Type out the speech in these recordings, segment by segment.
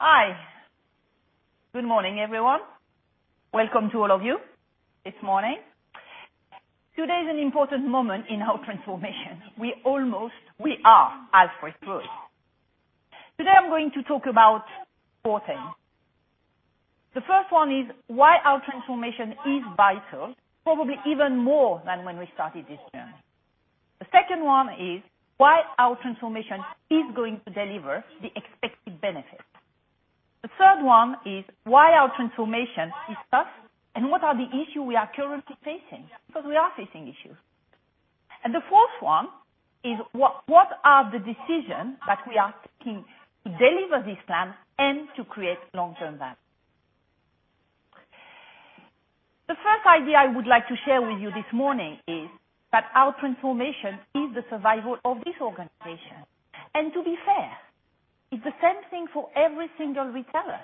Hi. Good morning, everyone. Welcome to all of you this morning. Today is an important moment in our transformation. We are halfway through it. Today, I am going to talk about four things. The first one is why our transformation is vital, probably even more than when we started this journey. The second one is why our transformation is going to deliver the expected benefits. The third one is why our transformation is tough, and what are the issues we are currently facing, because we are facing issues. The fourth one is what are the decisions that we are taking to deliver this plan and to create long-term value. The first idea I would like to share with you this morning is that our transformation is the survival of this organization. To be fair, it's the same thing for every single retailer.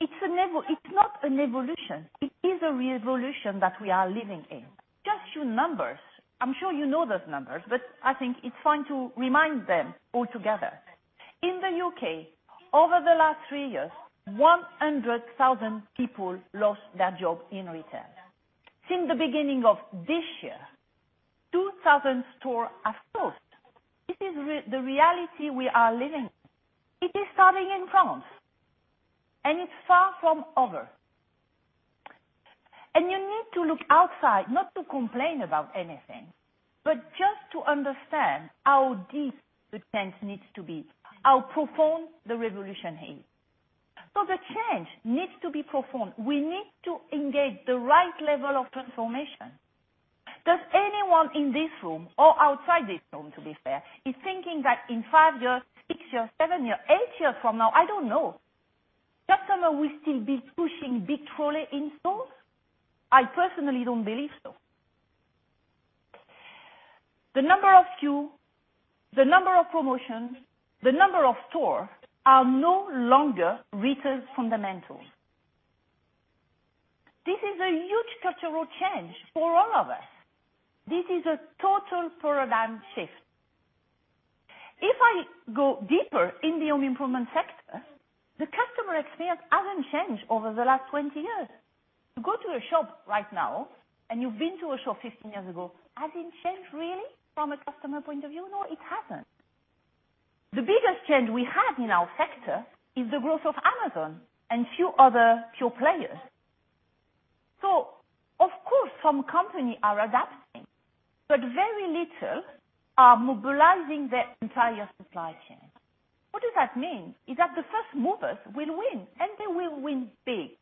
It's not an evolution, it is a revolution that we are living in. Just a few numbers. I'm sure you know those numbers, but I think it's fine to remind them all together. In the U.K., over the last three years, 100,000 people lost their jobs in retail. Since the beginning of this year, 2,000 stores have closed. This is the reality we are living in. It is starting in France, and it's far from over. You need to look outside, not to complain about anything, but just to understand how deep the change needs to be, how profound the revolution is. The change needs to be profound. We need to engage the right level of transformation. Does anyone in this room, or outside this room, to be fair, is thinking that in five years, six years, seven years, eight years from now, I don't know, customers will still be pushing big trolley in stores? I personally don't believe so. The number of SKUs, the number of promotions, the number of stores are no longer retail's fundamentals. This is a huge cultural change for all of us. This is a total paradigm shift. If I go deeper in the home improvement sector, the customer experience hasn't changed over the last 20 years. You go to a shop right now and you've been to a shop 15 years ago, has it changed really from a customer point of view? No, it hasn't. The biggest change we have in our sector is the growth of Amazon and few other pure players. Of course, some companies are adapting, but very little are mobilizing their entire supply chain. What does that mean? Is that the first movers will win, and they will win big.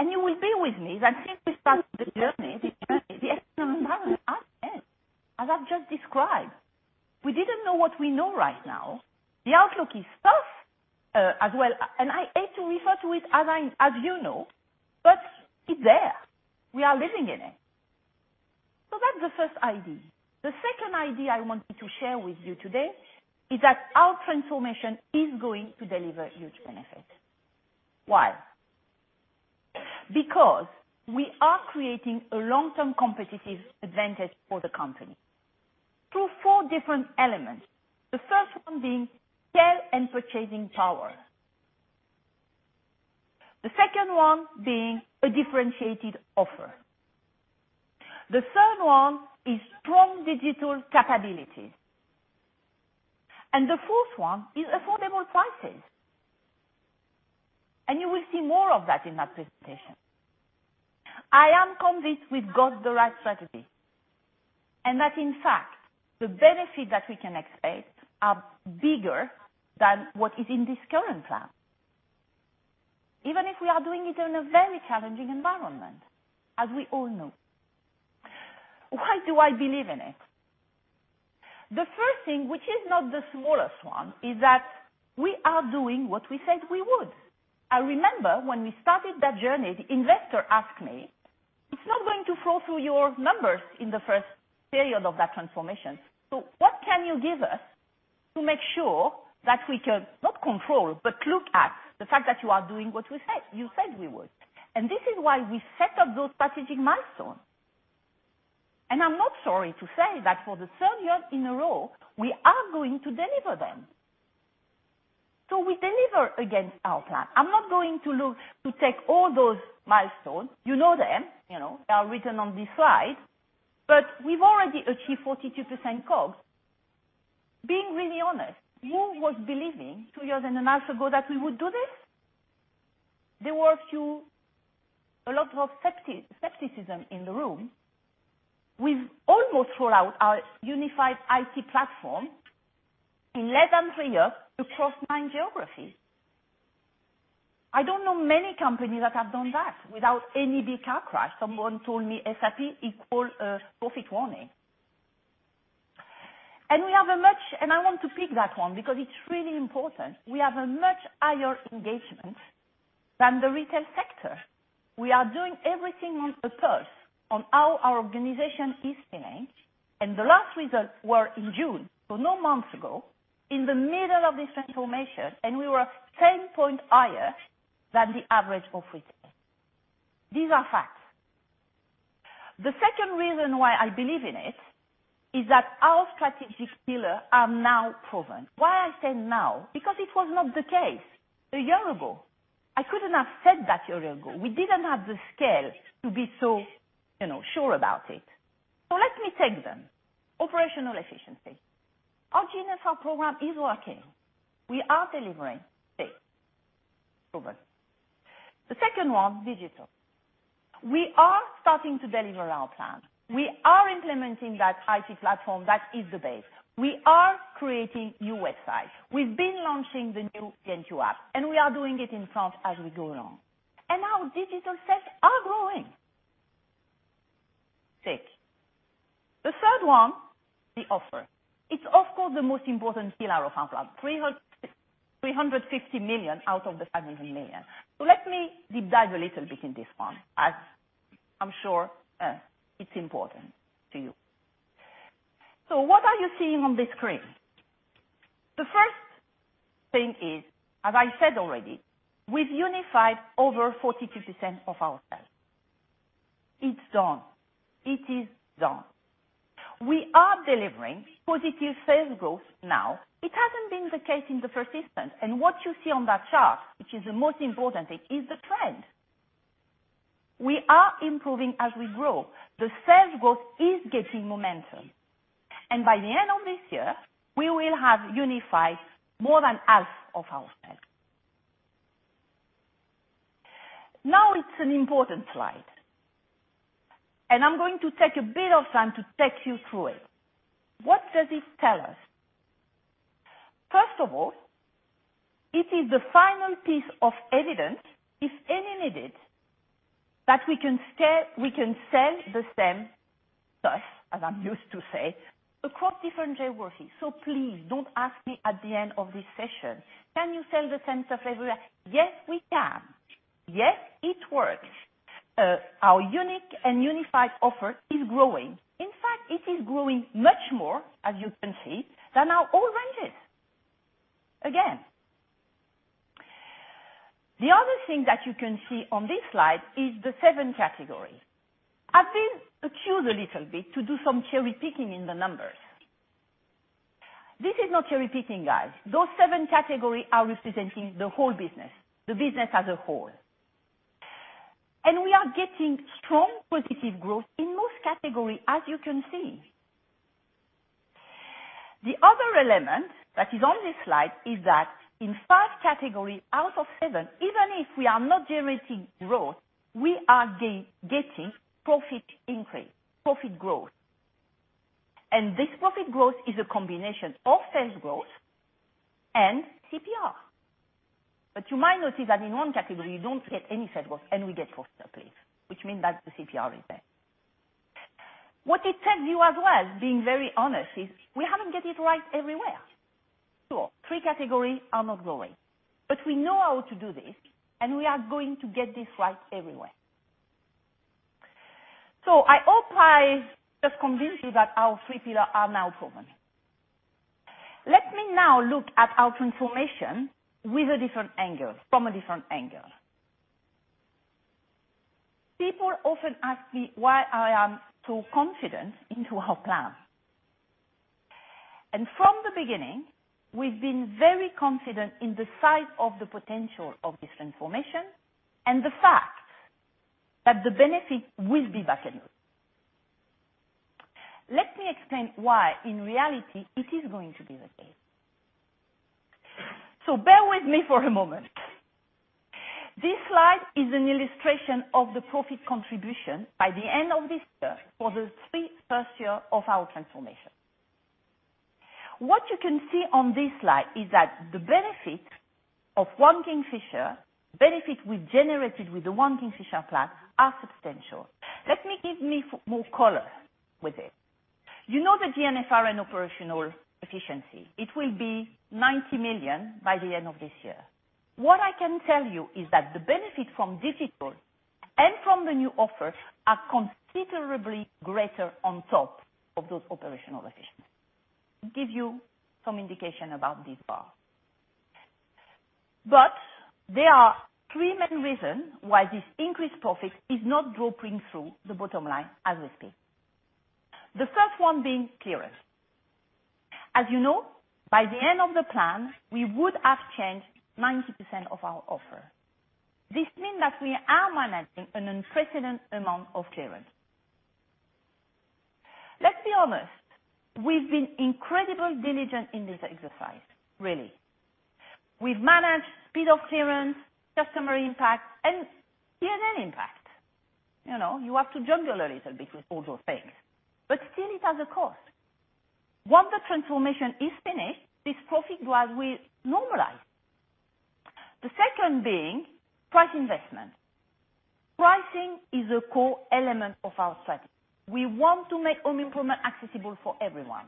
You will be with me that since we started the journey, the external environment has changed as I've just described. We didn't know what we know right now. The outlook is tough as well, and I hate to refer to it as you know, but it's there. We are living in it. That's the first idea. The second idea I wanted to share with you today is that our transformation is going to deliver huge benefits. Why? Because we are creating a long-term competitive advantage for the company through four different elements. The first one being scale and purchasing power. The second one being a differentiated offer. The third one is strong digital capabilities. The fourth one is affordable prices. You will see more of that in that presentation. I am convinced we've got the right strategy, and that in fact, the benefit that we can expect are bigger than what is in this current plan, even if we are doing it in a very challenging environment, as we all know. Why do I believe in it? The first thing, which is not the smallest one, is that we are doing what we said we would. I remember when we started that journey, the investor asked me, "It's not going to flow through your numbers in the first period of that transformation. So what can you give us to make sure that we can, not control, but look at the fact that you are doing what you said we would?" This is why we set up those strategic milestones. I'm not sorry to say that for the third year in a row, we are going to deliver them. We deliver against our plan. I'm not going to take all those milestones. You know them, they are written on this slide, but we've already achieved 42% COGS. Being really honest, who was believing two years and a half ago that we would do this? There were a lot of skepticism in the room. We've almost rolled out our unified IT platform in less than three years across nine geographies. I don't know many companies that have done that without any big car crash. Someone told me SAP equal a profit warning. I want to pick that one because it's really important. We have a much higher engagement than the retail sector. We are doing everything on the pulse on how our organization is feeling, the last results were in June, so no months ago, in the middle of this transformation, and we were 10 points higher than the average of retail. These are facts. The second reason why I believe in it is that our strategic pillar are now proven. Why I say now, because it was not the case a year ago. I couldn't have said that a year ago. We didn't have the scale to be so sure about it. Let me take them. Operational efficiency. Our GNFR program is working. We are delivering. Tick. Proven. The second one, digital. We are starting to deliver our plan. We are implementing that IT platform that is the base. We are creating new websites. We've been launching the new Kingfisher app, we are doing it in France as we go along. Our digital sales are growing. Tick. The third one, the offer. It's of course, the most important pillar of our plan, 350 million out of the 500 million. Let me deep dive a little bit in this one, as I'm sure it's important to you. What are you seeing on the screen? The first thing is, as I said already, we've unified over 42% of our sales. It's done. We are delivering positive sales growth now. It hasn't been the case in the first instance, what you see on that chart, which is the most important thing, is the trend. We are improving as we grow. The sales growth is getting momentum. By the end of this year, we will have unified more than half of our sales. It's an important slide, and I'm going to take a bit of time to take you through it. What does it tell us? First of all, it is the final piece of evidence, if any needed, that we can sell the same stuff, as I'm used to say, across different geographies. Please don't ask me at the end of this session, "Can you sell the same stuff everywhere?" Yes, we can. Yes, it works. Our unique and unified offer is growing. In fact, it is growing much more, as you can see, than our old ranges. Again. The other thing that you can see on this slide is the 7 categories. I've been accused a little bit to do some cherry-picking in the numbers. This is not cherry-picking, guys. Those 7 categories are representing the whole business, the business as a whole. We are getting strong positive growth in most categories, as you can see. The other element that is on this slide is that in 5 categories out of 7, even if we are not generating growth, we are getting profit increase, profit growth. This profit growth is a combination of sales growth and CPR. You might notice that in 1 category, you don't get any sales growth and we get profit uplift, which means that the CPR is there. What it tells you as well, being very honest, is we haven't got it right everywhere. Sure, 3 categories are not growing. We know how to do this, and we are going to get this right everywhere. I hope I just convinced you that our 3 pillars are now proven. Let me now look at our transformation from a different angle. People often ask me why I am so confident into our plan. From the beginning, we've been very confident in the size of the potential of this transformation and the fact that the benefit will be back with us. Let me explain why, in reality, it is going to be the case. Bear with me for a moment. This slide is an illustration of the profit contribution by the end of this year for the 3 first years of our transformation. What you can see on this slide is that the benefit of One Kingfisher, benefits we generated with the One Kingfisher plan, is substantial. Let me give more color with it. You know the GNFR and operational efficiency, it will be 90 million by the end of this year. What I can tell you is that the benefit from digital and from the new offer is considerably greater on top of those operational efficiencies, to give you some indication about this bar. There are 3 main reasons why this increased profit is not dropping through the bottom line as we speak. The first one being clearance. As you know, by the end of the plan, we would have changed 90% of our offer. This means that we are managing an unprecedented amount of clearance. Let's be honest, we've been incredibly diligent in this exercise, really. We've managed speed of clearance, customer impact, and P&L impact. You have to juggle a little bit with all those things, but still it has a cost. Once the transformation is finished, this profit will normalize. The second being price investment. Pricing is a core element of our strategy. We want to make home improvement accessible for everyone.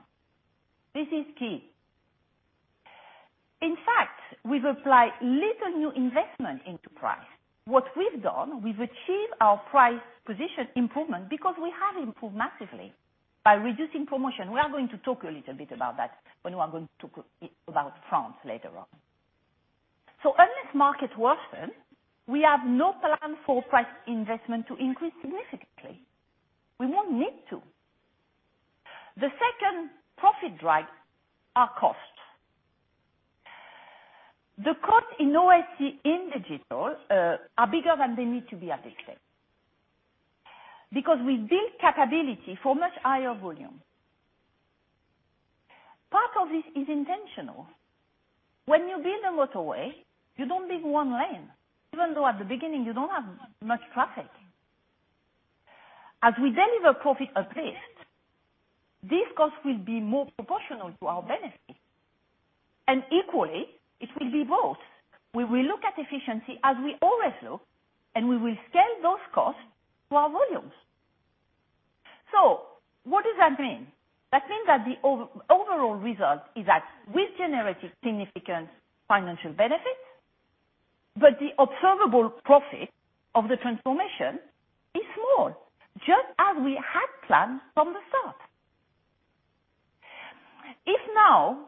This is key. In fact, we've applied little new investment into price. What we've done, we've achieved our price position improvement because we have improved massively by reducing promotion. We are going to talk a little bit about that when we are going to talk about France later on. Unless markets worsen, we have no plan for price investment to increase significantly. We won't need to. The second profit drag are costs. The costs in IT in digital are bigger than they need to be at this stage because we build capability for much higher volume. Part of this is intentional. When you build a motorway, you don't build one lane, even though at the beginning you don't have much traffic. As we deliver profit uplift, these costs will be more proportional to our benefit. Equally, it will be both. We will look at efficiency as we always look, and we will scale those costs to our volumes. What does that mean? That means that the overall result is that we've generated significant financial benefits, but the observable profit of the transformation is small, just as we had planned from the start. If now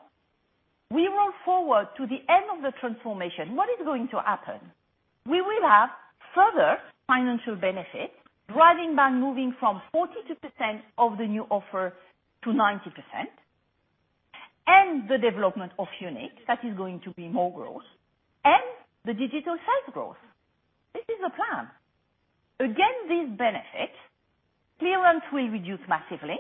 we roll forward to the end of the transformation, what is going to happen? We will have further financial benefits, driving by moving from 42% of the new offer to 90%, and the development of Unique that is going to be more growth, and the digital sales growth. This is the plan. Against these benefits, clearance will reduce massively.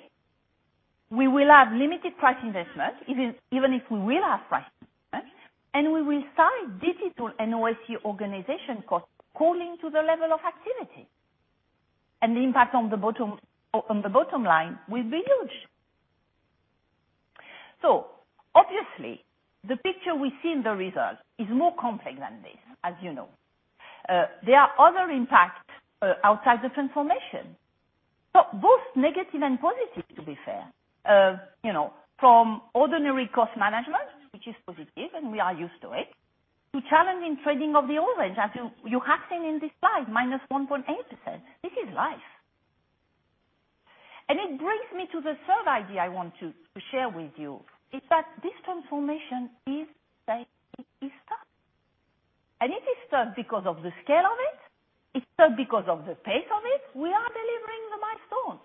We will have limited price investments, even if we will have price investments, and we will size digital and IT organization costs according to the level of activity. The impact on the bottom line will be huge. Obviously, the picture we see in the results is more complex than this, as you know. There are other impacts outside the transformation, both negative and positive, to be fair. From ordinary cost management, which is positive, and we are used to it, to challenge in trading of the ranges, as you have seen in this slide, -1.8%. This is life. It brings me to the third idea I want to share with you, is that this transformation is stuck. It is stuck because of the scale of it. It's stuck because of the pace of it. We are delivering the milestones.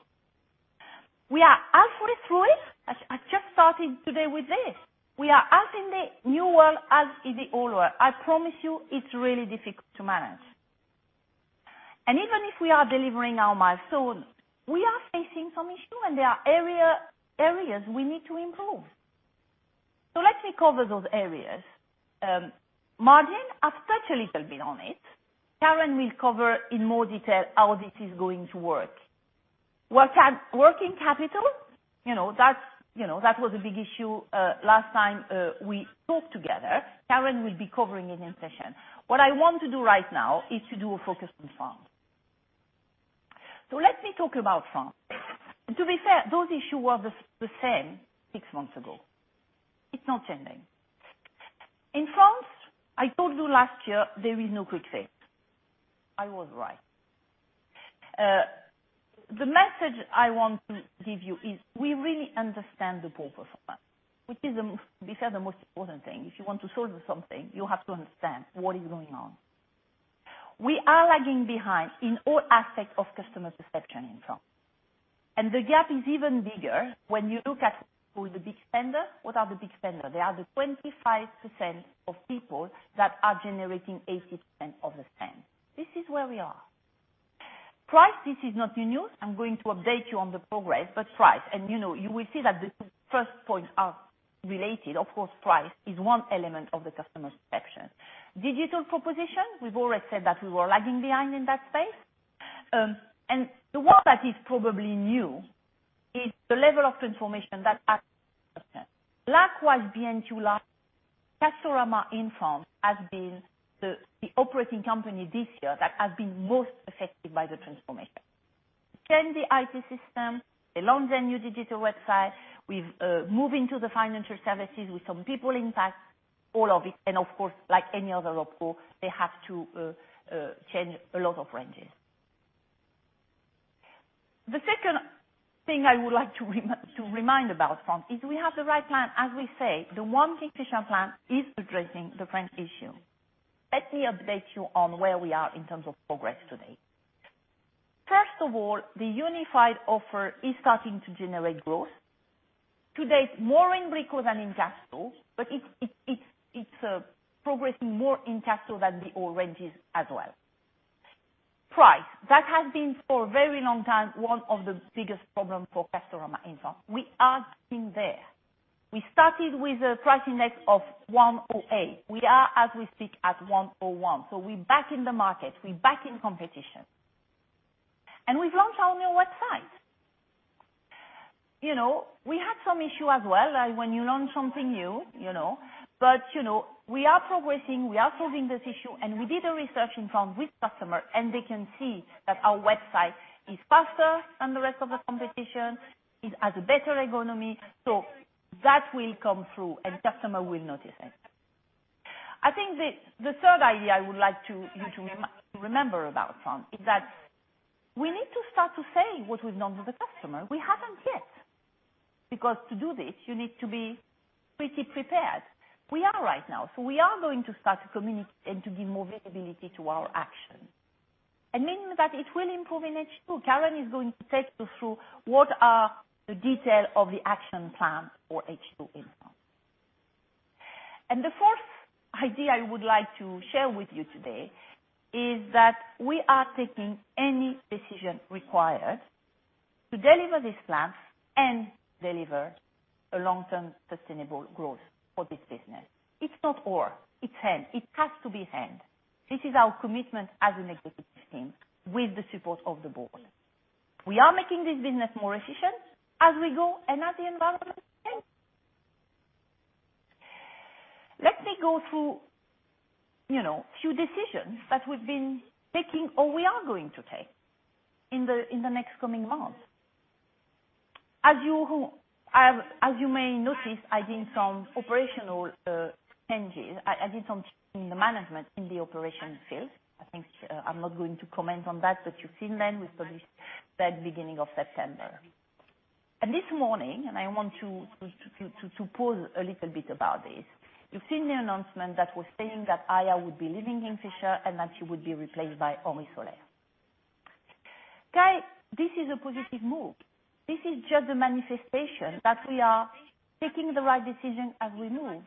We are halfway through it. I just started today with this. We are half in the new world as in the old world. I promise you, it's really difficult to manage. Even if we are delivering our milestones, we are facing some issues, and there are areas we need to improve. Let me cover those areas. Margin, I've touched a little bit on it. Karen will cover in more detail how this is going to work. Working capital, that was a big issue last time we spoke together. Karen will be covering it in her session. What I want to do right now is to do a focus on France. Let me talk about France. To be fair, those issues were the same six months ago. It's not changing. In France, I told you last year, there is no quick fix. I was right. The message I want to give you is we really understand the poor performance, which is, besides the most important thing. If you want to solve something, you have to understand what is going on. We are lagging behind in all aspects of customer perception in France. The gap is even bigger when you look at who the big spenders. What are the big spenders? They are the 25% of people that are generating 80% of the spend. This is where we are. Price, this is not new. I'm going to update you on the progress, but price. You will see that the first points are related. Of course, price is one element of the customer perception. Digital proposition, we've already said that we were lagging behind in that space. The one that is probably new is the level of transformation that. Likewise, B&Q, Castorama in France has been the operating company this year that has been most affected by the transformation. Change the IT system, they launched a new digital website, we've moved into the financial services with some people impact, all of it. Of course, like any other opco, they have to change a lot of ranges. The second thing I would like to remind about France is we have the right plan. As we say, the ONE Kingfisher plan is addressing the French issue. Let me update you on where we are in terms of progress today. First of all, the unified offer is starting to generate growth. To date, more in Brico than in Casto, but it's progressing more in Casto than the ranges as well. Price. That has been, for a very long time, one of the biggest problems for Castorama in France. We are getting there. We started with a price index of 108. We are, as we speak, at 101. We're back in the market, we're back in competition. We've launched our new website. We had some issue as well, like when you launch something new. We are progressing, we are solving this issue, and we did a research in France with customer, and they can see that our website is faster than the rest of the competition, it has a better ergonomy. That will come through, and customer will notice it. I think the third idea I would like you to remember about France is that we need to start to say what we've done to the customer. We haven't yet. Because to do this, you need to be pretty prepared. We are right now, so we are going to start to communicate and to give more visibility to our action, and meaning that it will improve in H2. Karen is going to take you through what are the detail of the action plan for H2 in France. The fourth idea I would like to share with you today is that we are taking any decision required to deliver this plan and deliver a long-term sustainable growth for this business. It's not or, it's and. It has to be and. This is our commitment as an executive team with the support of the board. We are making this business more efficient as we go and as the environment changes. Let me go through few decisions that we've been taking or we are going to take in the next coming months. As you may notice, I did some operational changes. I did some change in the management in the operations field. I think I'm not going to comment on that, but you've seen them. We published that beginning of September. This morning, I want to pause a little bit about this, you've seen the announcement that was saying that Aya would be leaving Kingfisher, and that she would be replaced by Henri Soler. Guys, this is a positive move. This is just a manifestation that we are taking the right decision as we move.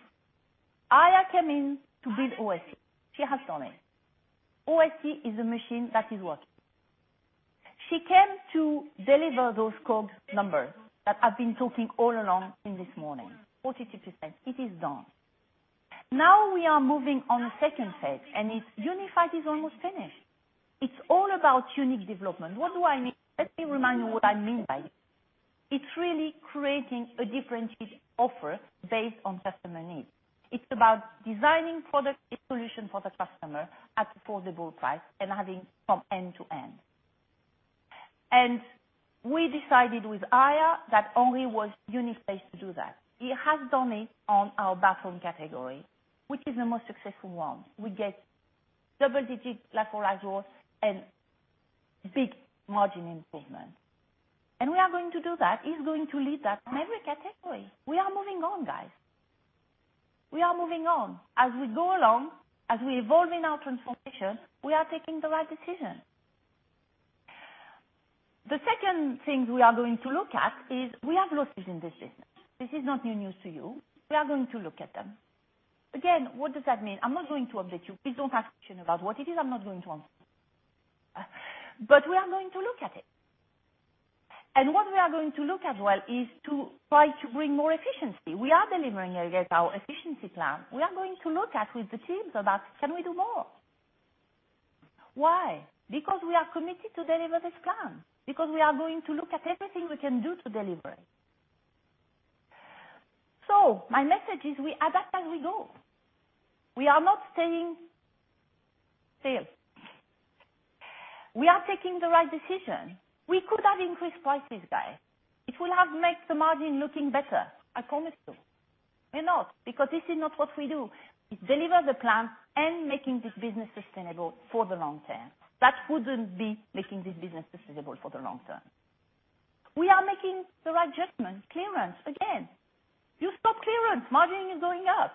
Aya came in to build OSC. She has done it. OSC is a machine that is working. She came to deliver those COGS numbers that I've been talking all along in this morning, 42%. It is done. Now we are moving on the second phase, and it's unified is almost finished. It's all about unique development. What do I mean? Let me remind you what I mean by this. It's really creating a differentiated offer based on customer needs. It's about designing product and solution for the customer at affordable price and having from end to end. We decided with Aya that Henri was unique placed to do that. He has done it on our bathroom category, which is the most successful one. We get double-digit like-for-like growth and big margin improvement. We are going to do that. He's going to lead that in every category. We are moving on, guys. We are moving on. As we go along, as we evolve in our transformation, we are taking the right decision. The second thing we are going to look at is we have losses in this business. This is not new news to you. We are going to look at them. Again, what does that mean? I'm not going to update you. Please don't ask question about what it is, I'm not going to answer. We are going to look at it. What we are going to look at, well, is to try to bring more efficiency. We are delivering against our efficiency plan. We are going to look at with the teams about, can we do more? Why? Because we are committed to deliver this plan, because we are going to look at everything we can do to deliver it. My message is we adapt as we go. We are not staying still. We are taking the right decision. We could have increased prices, guys. It will have make the margin looking better, I promise you. We're not, because this is not what we do. It deliver the plan and making this business sustainable for the long term. That wouldn't be making this business sustainable for the long term. We are making the right judgment, clearance, again. You stop clearance, margin is going up.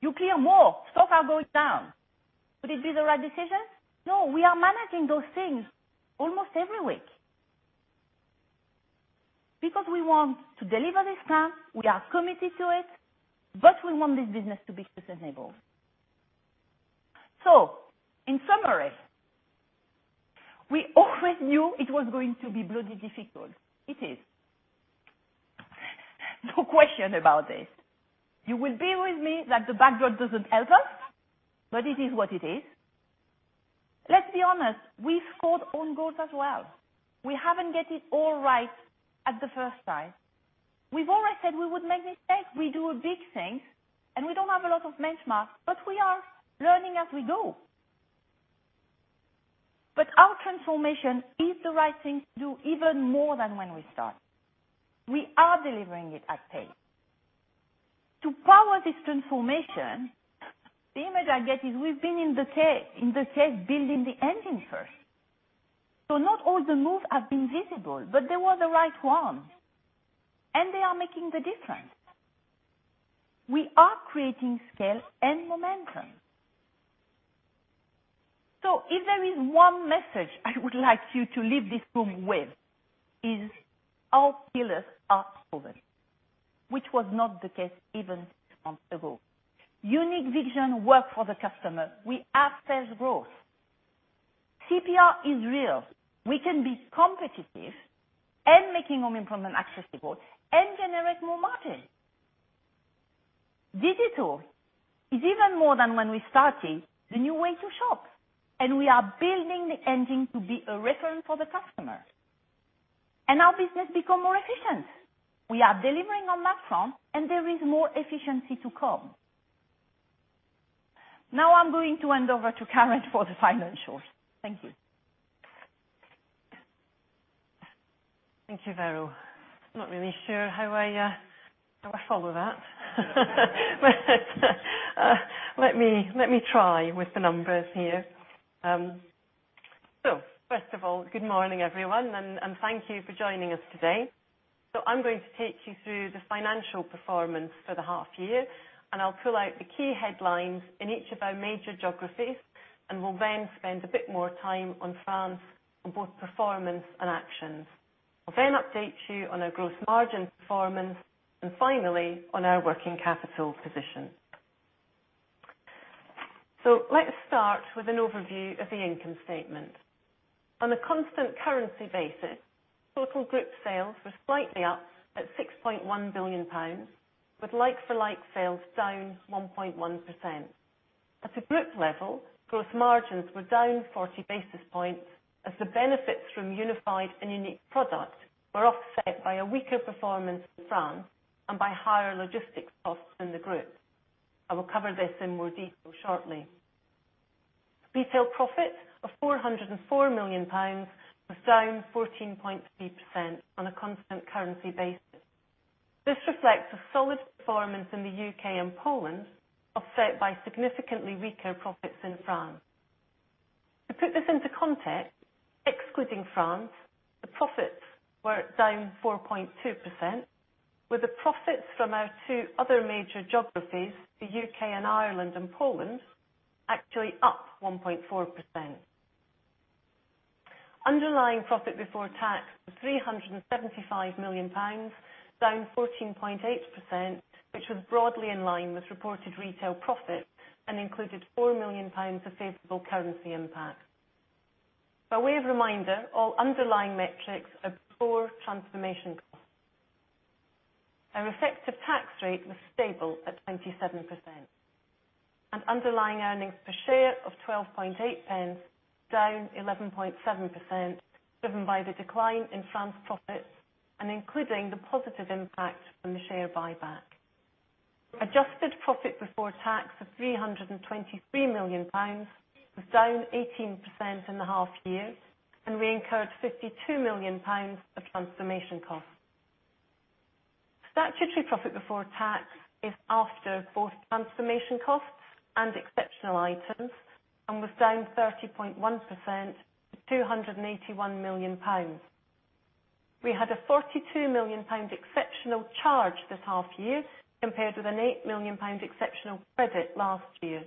You clear more, stock are going down. Could it be the right decision? No. We are managing those things almost every week. We want to deliver this plan, we are committed to it, but we want this business to be sustainable. In summary, we always knew it was going to be bloody difficult. It is. No question about this. You will be with me that the backdrop doesn't help us, but it is what it is. Let's be honest, we scored own goals as well. We haven't get it all right at the first time. We've always said we would make mistakes. We do a big thing, and we don't have a lot of benchmarks, but we are learning as we go. Our transformation is the right thing to do even more than when we started. We are delivering it at pace. To power this transformation, the image I get is we've been in the case building the engine first. Not all the moves have been visible, but they were the right ones, and they are making the difference. We are creating scale and momentum. If there is one message I would like you to leave this room with, is our pillars are solid, which was not the case even six months ago. Unique vision work for the customer. We have sales growth. CPR is real. We can be competitive and making home improvement accessible and generate more margin. Digital is even more than when we started, the new way to shop, and we are building the engine to be a reference for the customer. Our business become more efficient. We are delivering on that front, and there is more efficiency to come. I'm going to hand over to Karen for the financials. Thank you. Thank you, Vero. Not really sure how I follow that. Let me try with the numbers here. First of all, good morning everyone, and thank you for joining us today. I'm going to take you through the financial performance for the half year, and I'll pull out the key headlines in each of our major geographies, and we'll then spend a bit more time on France on both performance and actions. I'll then update you on our gross margin performance, and finally, on our working capital position. Let's start with an overview of the income statement. On a constant currency basis, total group sales were slightly up at 6.1 billion pounds, with like-for-like sales down 1.1%. At the group level, gross margins were down 40 basis points as the benefits from unified and unique product were offset by a weaker performance in France and by higher logistics costs in the group. I will cover this in more detail shortly. Retail profit of 404 million pounds was down 14.3% on a constant currency basis. This reflects a solid performance in the U.K. and Poland, offset by significantly weaker profits in France. To put this into context, excluding France, the profits were down 4.2%, with the profits from our two other major geographies, the U.K. and Ireland, and Poland, actually up 1.4%. Underlying profit before tax was 375 million pounds, down 14.8%, which was broadly in line with reported retail profit and included 4 million pounds of favorable currency impact. By way of reminder, all underlying metrics are before transformation costs. Our effective tax rate was stable at 27%. Underlying earnings per share of 0.128, down 11.7%, driven by the decline in France profits and including the positive impact from the share buyback. Adjusted profit before tax of 323 million pounds was down 18% in the half year and we incurred 52 million pounds of transformation costs. Statutory profit before tax is after both transformation costs and exceptional items and was down 30.1% to 281 million pounds. We had a 42 million pound exceptional charge this half year compared with an 8 million pound exceptional credit last year.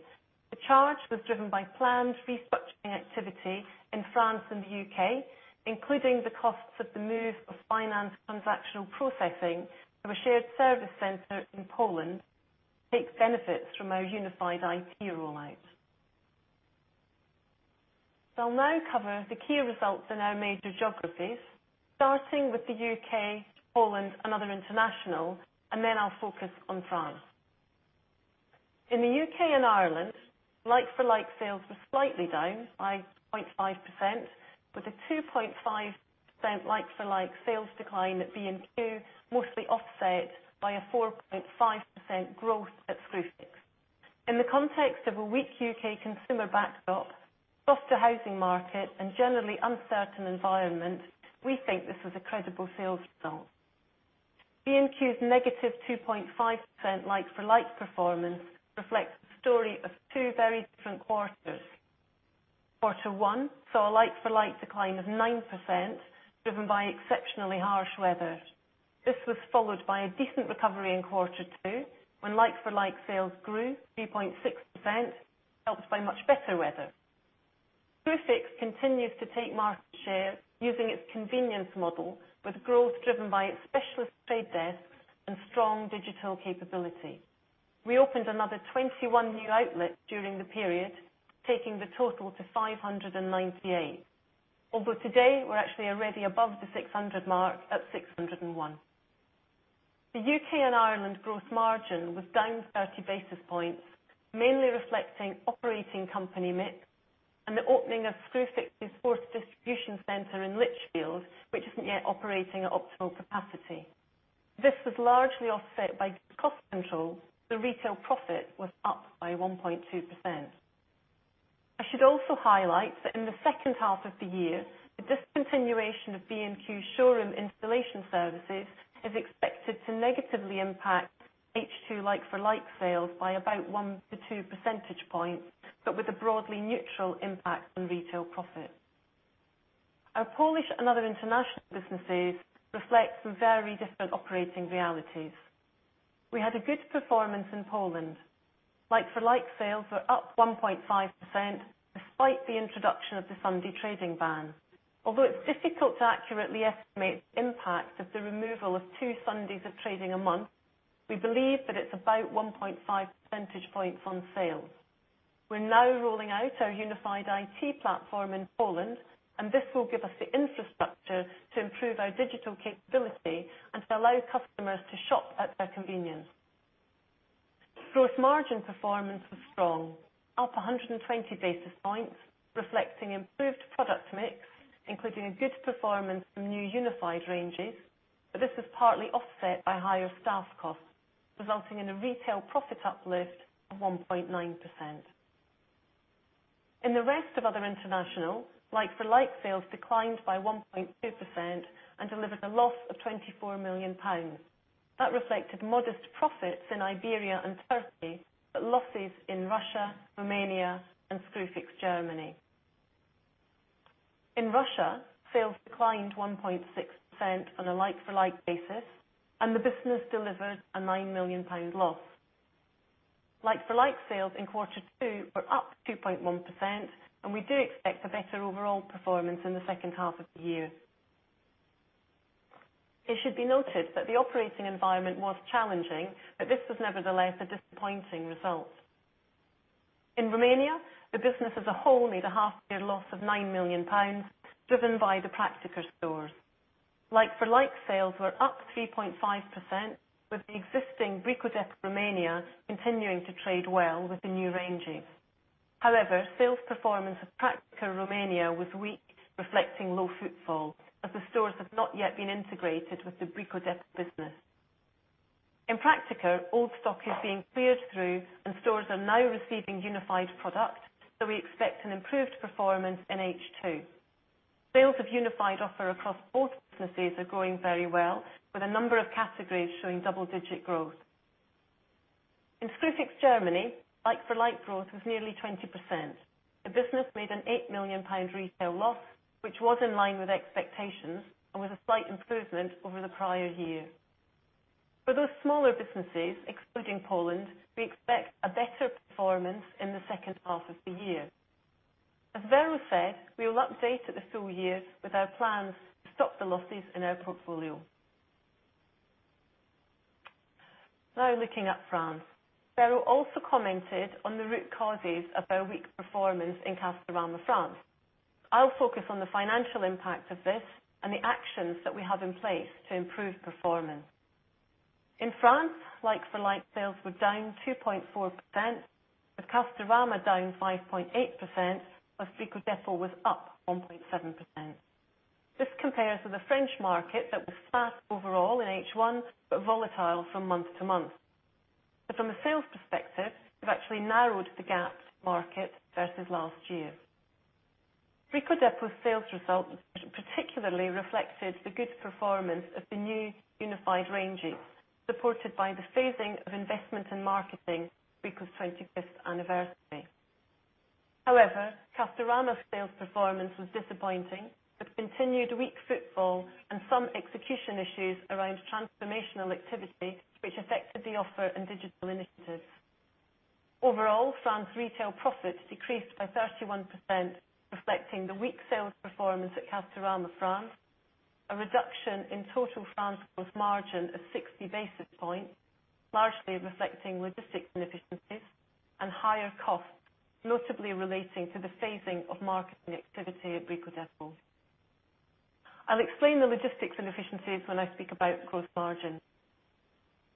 The charge was driven by planned restructuring activity in France and the U.K., including the costs of the move of finance transactional processing from a shared service center in Poland to take benefits from our unified IT rollout. I'll now cover the key results in our major geographies, starting with the U.K., Poland and other international, and then I'll focus on France. In the U.K. and Ireland, like-for-like sales were slightly down by 0.5%, with a 2.5% like-for-like sales decline at B&Q, mostly offset by a 4.5% growth at Screwfix. In the context of a weak U.K. consumer backdrop, softer housing market, and generally uncertain environment, we think this is a credible sales result. B&Q's -2.5% like-for-like performance reflects the story of two very different quarters. Quarter one saw a like-for-like decline of 9%, driven by exceptionally harsh weather. This was followed by a decent recovery in quarter two, when like-for-like sales grew 3.6%, helped by much better weather. Screwfix continues to take market share using its convenience model with growth driven by its specialist trade desks and strong digital capability. We opened another 21 new outlets during the period, taking the total to 598. Although today we're actually already above the 600 mark at 601. The U.K. and Ireland growth margin was down 30 basis points, mainly reflecting operating company mix and the opening of Screwfix's fourth distribution center in Lichfield, which isn't yet operating at optimal capacity. This was largely offset by good cost control. Retail profit was up by 1.2%. I should also highlight that in the second half of the year, the discontinuation of B&Q's showroom installation services is expected to negatively impact H2 like-for-like sales by about 1 to 2 percentage points, but with a broadly neutral impact on retail profit. Our Polish and other international businesses reflect some very different operating realities. We had a good performance in Poland. Like-for-like sales were up 1.5%, despite the introduction of the Sunday trading ban. Although it's difficult to accurately estimate the impact of the removal of two Sundays of trading a month, we believe that it's about 1.5 percentage points on sales. We're now rolling out our unified IT platform in Poland, and this will give us the infrastructure to improve our digital capability and allow customers to shop at their convenience. Gross margin performance was strong, up 120 basis points, reflecting improved product mix, including a good performance from new unified ranges. This was partly offset by higher staff costs, resulting in a retail profit uplift of 1.9%. In the rest of other international, like-for-like sales declined by 1.2% and delivered a loss of 24 million pounds. That reflected modest profits in Iberia and Turkey, but losses in Russia, Romania, and Screwfix Germany. In Russia, sales declined 1.6% on a like-for-like basis, and the business delivered a 9 million pound loss. Like-for-like sales in quarter two were up 2.1%. We do expect a better overall performance in the second half of the year. It should be noted that the operating environment was challenging. This was nevertheless a disappointing result. In Romania, the business as a whole made a half year loss of 9 million pounds, driven by the Praktiker stores. Like-for-like sales were up 3.5%, with the existing Brico Dépôt Romania continuing to trade well with the new ranges. Sales performance of Praktiker Romania was weak, reflecting low footfall, as the stores have not yet been integrated with the Brico Dépôt business. In Praktiker, old stock is being cleared through. Stores are now receiving unified product. We expect an improved performance in H2. Sales of unified offer across both businesses are growing very well, with a number of categories showing double-digit growth. In Screwfix Germany, like-for-like growth was nearly 20%. The business made an 8 million pound retail loss, which was in line with expectations and was a slight improvement over the prior year. For those smaller businesses, excluding Poland, we expect a better performance in the second half of the year. As Vero said, we will update at the full year with our plans to stop the losses in our portfolio. Looking at France. Vero also commented on the root causes of our weak performance in Castorama France. I'll focus on the financial impact of this and the actions that we have in place to improve performance. In France, like-for-like sales were down 2.4%, with Castorama down 5.8% as Brico Dépôt was up 1.7%. This compares to the French market that was flat overall in H1, but volatile from month to month. From a sales perspective, we've actually narrowed the gap to market versus last year. Brico Dépôt's sales result particularly reflected the good performance of the new unified ranges, supported by the phasing of investment in marketing, Brico's 25th anniversary. Castorama sales performance was disappointing, with continued weak footfall and some execution issues around transformational activity, which affected the offer and digital initiatives. Overall, France retail profits decreased by 31%, reflecting the weak sales performance at Castorama France, a reduction in total France gross margin of 60 basis points, largely reflecting logistics inefficiencies and higher costs, notably relating to the phasing of marketing activity at Brico Dépôt. I'll explain the logistics inefficiencies when I speak about gross margin.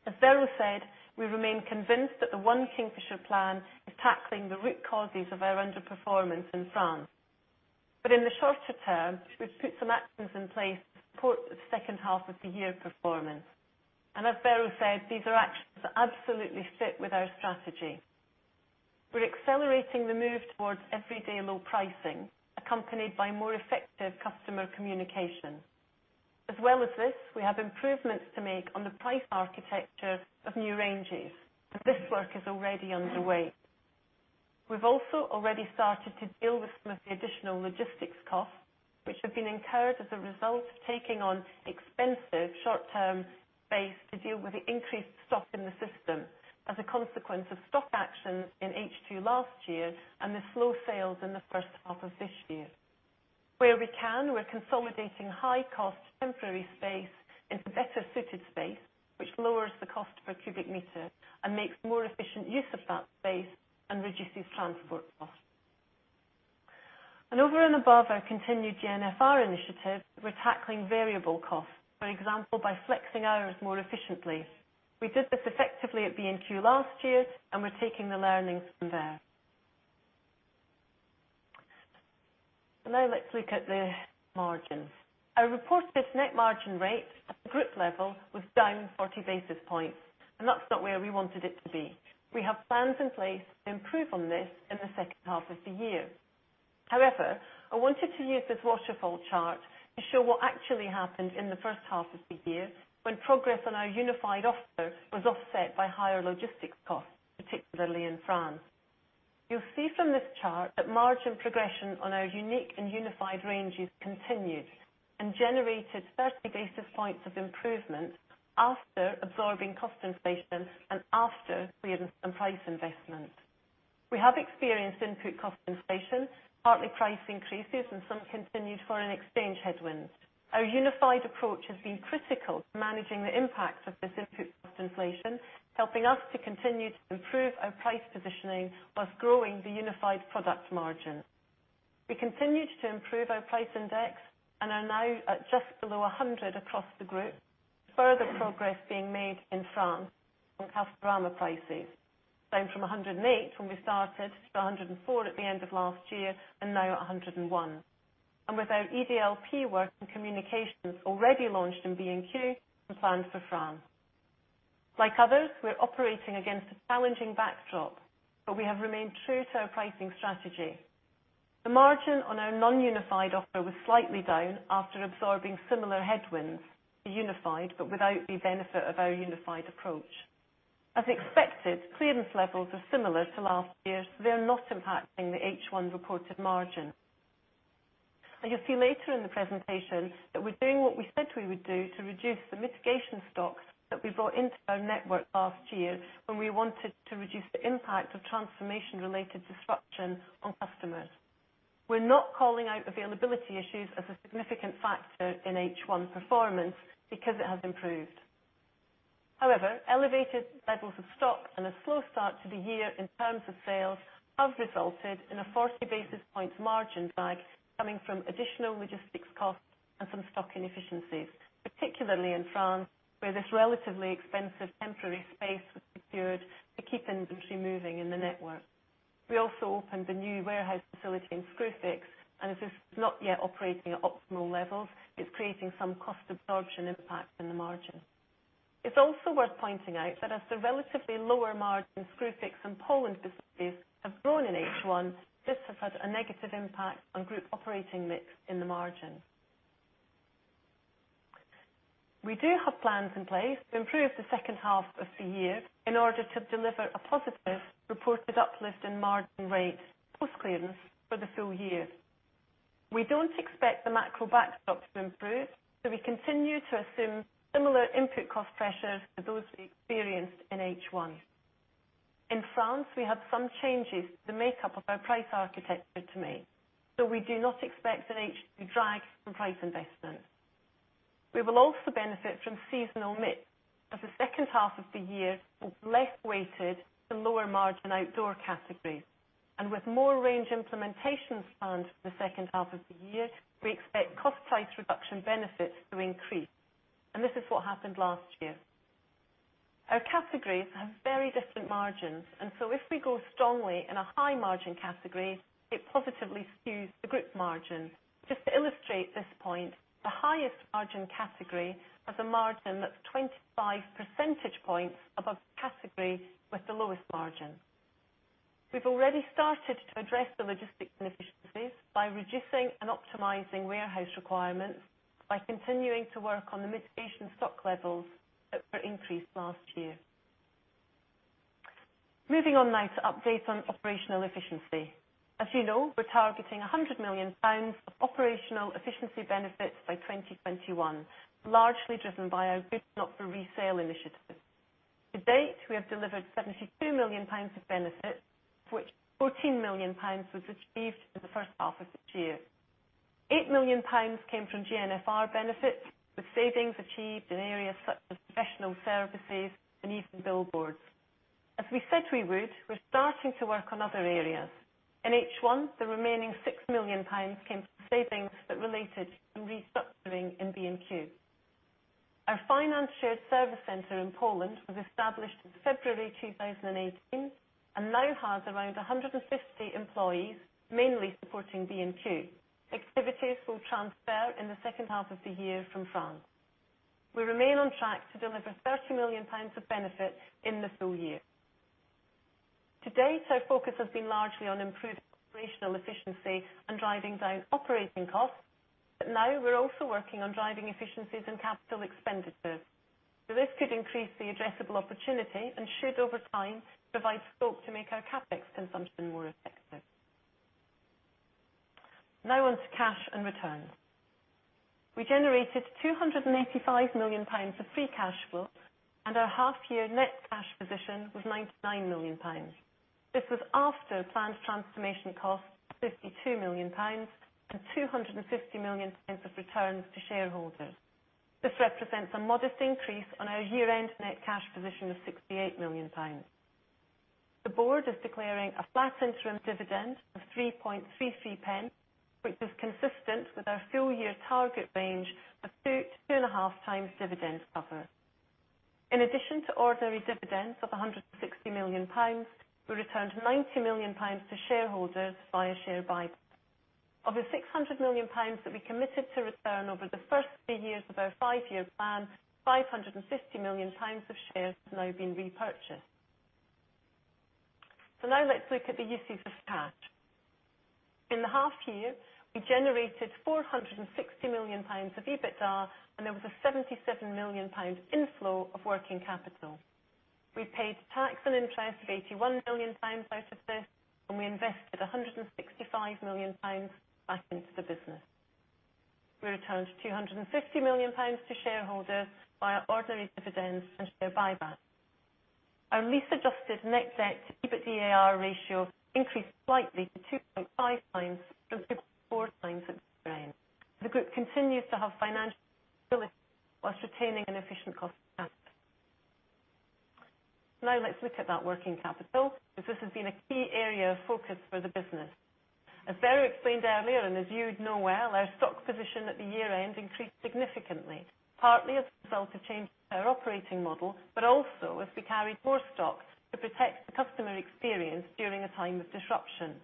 As Vero said, we remain convinced that the ONE Kingfisher plan is tackling the root causes of our underperformance in France. In the shorter term, we've put some actions in place to support the second half of the year performance. As Vero said, these are actions that absolutely fit with our strategy. We're accelerating the move towards everyday low pricing, accompanied by more effective customer communication. As well as this, we have improvements to make on the price architecture of new ranges. This work is already underway. We've also already started to deal with some of the additional logistics costs, which have been incurred as a result of taking on expensive short-term space to deal with the increased stock in the system as a consequence of stock actions in H2 last year and the slow sales in the first half of this year. Where we can, we're consolidating high-cost temporary space into better-suited space, which lowers the cost per cubic meter and makes more efficient use of that space and reduces transport costs. Over and above our continued GNFR initiative, we're tackling variable costs, for example, by flexing hours more efficiently. We did this effectively at B&Q last year, and we're taking the learnings from there. Now let's look at the margins. Our reported net margin rate at the group level was down 40 basis points, and that's not where we wanted it to be. We have plans in place to improve on this in the second half of the year. However, I wanted to use this waterfall chart to show what actually happened in the first half of the year when progress on our unified offer was offset by higher logistics costs, particularly in France. You'll see from this chart that margin progression on our unique and unified ranges continued and generated 30 basis points of improvement after absorbing cost inflation and after we invested in price investment. We have experienced input cost inflation, partly price increases, and some continued foreign exchange headwinds. Our unified approach has been critical to managing the impact of this input cost inflation, helping us to continue to improve our price positioning whilst growing the unified product margin. We continued to improve our price index and are now at just below 100 across the group. Further progress being made in France on Castorama prices, down from 108 when we started to 104 at the end of last year and now at 101. With our EDLP work and communications already launched in B&Q and planned for France. Like others, we're operating against a challenging backdrop, but we have remained true to our pricing strategy. The margin on our non-unified offer was slightly down after absorbing similar headwinds to unified, but without the benefit of our unified approach. As expected, clearance levels are similar to last year, so they are not impacting the H1 reported margin. You'll see later in the presentation that we're doing what we said we would do to reduce the mitigation stocks that we brought into our network last year when we wanted to reduce the impact of transformation-related disruption on customers. We're not calling out availability issues as a significant factor in H1 performance because it has improved. However, elevated levels of stock and a slow start to the year in terms of sales have resulted in a 40 basis points margin drag coming from additional logistics costs and some stock inefficiencies, particularly in France, where this relatively expensive temporary space was secured to keep inventory moving in the network. We also opened the new warehouse facility in Screwfix, and as it's not yet operating at optimal levels, it's creating some cost absorption impact on the margin. It's also worth pointing out that as the relatively lower margin Screwfix and Poland businesses have grown in H1, this has had a negative impact on group operating mix in the margin. We do have plans in place to improve the second half of the year in order to deliver a positive reported uplift in margin rate post-clearance for the full year. We don't expect the macro backdrop to improve, so we continue to assume similar input cost pressures to those we experienced in H1. In France, we have some changes to the makeup of our price architecture to make, so we do not expect an H2 drag from price investment. We will also benefit from seasonal mix, as the second half of the year is less weighted to lower margin outdoor categories. With more range implementations planned for the second half of the year, we expect cost price reduction benefits to increase, and this is what happened last year. Our categories have very different margins, and so if we go strongly in a high margin category, it positively skews the group margin. Just to illustrate this point, the highest margin category has a margin that's 25 percentage points above the category with the lowest margin. We've already started to address the logistics inefficiencies by reducing and optimizing warehouse requirements by continuing to work on the mitigation stock levels that were increased last year. Moving on now to update on operational efficiency. As you know, we're targeting 100 million pounds of operational efficiency benefits by 2021, largely driven by our good-not-for-resale initiatives. To date, we have delivered 72 million pounds of benefits, of which 14 million pounds was achieved in the first half of the year. 8 million pounds came from GNFR benefits, with savings achieved in areas such as professional services and even billboards. As we said we would, we're starting to work on other areas. In H1, the remaining 6 million pounds came from savings that related from restructuring in B&Q. Our finance shared service center in Poland was established in February 2018, and now has around 150 employees, mainly supporting B&Q. Activities will transfer in the second half of the year from France. We remain on track to deliver GBP 30 million of benefits in the full year. To date, our focus has been largely on improving operational efficiency and driving down operating costs, but now we're also working on driving efficiencies in capital expenditures. So this could increase the addressable opportunity and should, over time, provide scope to make our CapEx consumption more effective. Now on to cash and returns. We generated 285 million pounds of free cash flow, and our half-year net cash position was 99 million pounds. This was after planned transformation costs of 52 million pounds and 250 million pounds of returns to shareholders. This represents a modest increase on our year-end net cash position of 68 million. The board is declaring a flat interim dividend of 0.0333, which is consistent with our full-year target range of 2 to 2.5 times dividend cover. In addition to ordinary dividends of 160 million pounds, we returned 90 million pounds to shareholders via share buybacks. Of the 600 million pounds that we committed to return over the first three years of our five-year plan, 550 million pounds of shares have now been repurchased. So now let's look at the uses of cash. In the half year, we generated 460 million pounds of EBITDA, and there was a 77 million pound inflow of working capital. We paid tax and interest of 81 million out of this, and we invested 165 million back into the business. We returned 250 million pounds to shareholders via ordinary dividends and share buybacks. Our lease adjusted net debt to EBITDA ratio increased slightly to 2.5 times from 2.4 times at year-end. The group continues to have financial flexibility while retaining an efficient cost of capital. Let's look at that working capital, as this has been a key area of focus for the business. As Vero explained earlier, as you would know well, our stock position at the year end increased significantly, partly as a result of changes to our operating model, but also as we carried more stock to protect the customer experience during a time of disruption.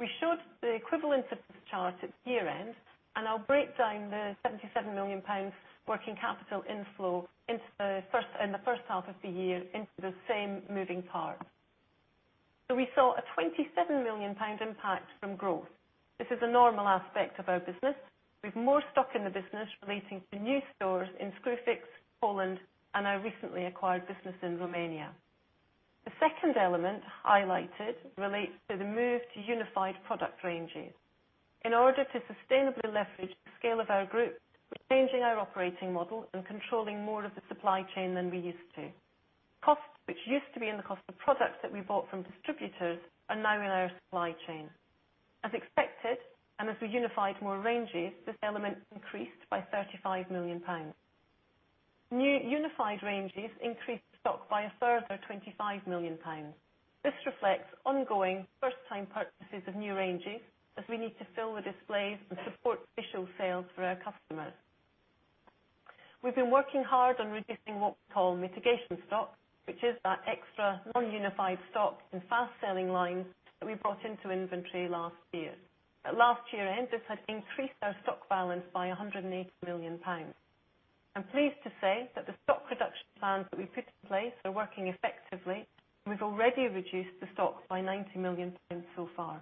We showed the equivalent of this chart at year end, I'll break down the 77 million pounds working capital inflow in the first half of the year into the same moving parts. We saw a 27 million pound impact from growth. This is a normal aspect of our business, with more stock in the business relating to new stores in Screwfix, Poland, and our recently acquired business in Romania. The second element highlighted relates to the move to unified product ranges. In order to sustainably leverage the scale of our group, we're changing our operating model and controlling more of the supply chain than we used to. Costs, which used to be in the cost of products that we bought from distributors, are now in our supply chain. As expected, as we unified more ranges, this element increased by 35 million pounds. New unified ranges increased stock by a further 25 million pounds. This reflects ongoing first-time purchases of new ranges as we need to fill the displays and support visual sales for our customers. We've been working hard on reducing what we call mitigation stock, which is that extra non-unified stock and fast-selling lines that we brought into inventory last year. At last year end, this had increased our stock balance by 180 million pounds. I'm pleased to say that the stock reduction plans that we put in place are working effectively, we've already reduced the stock by 90 million pounds so far.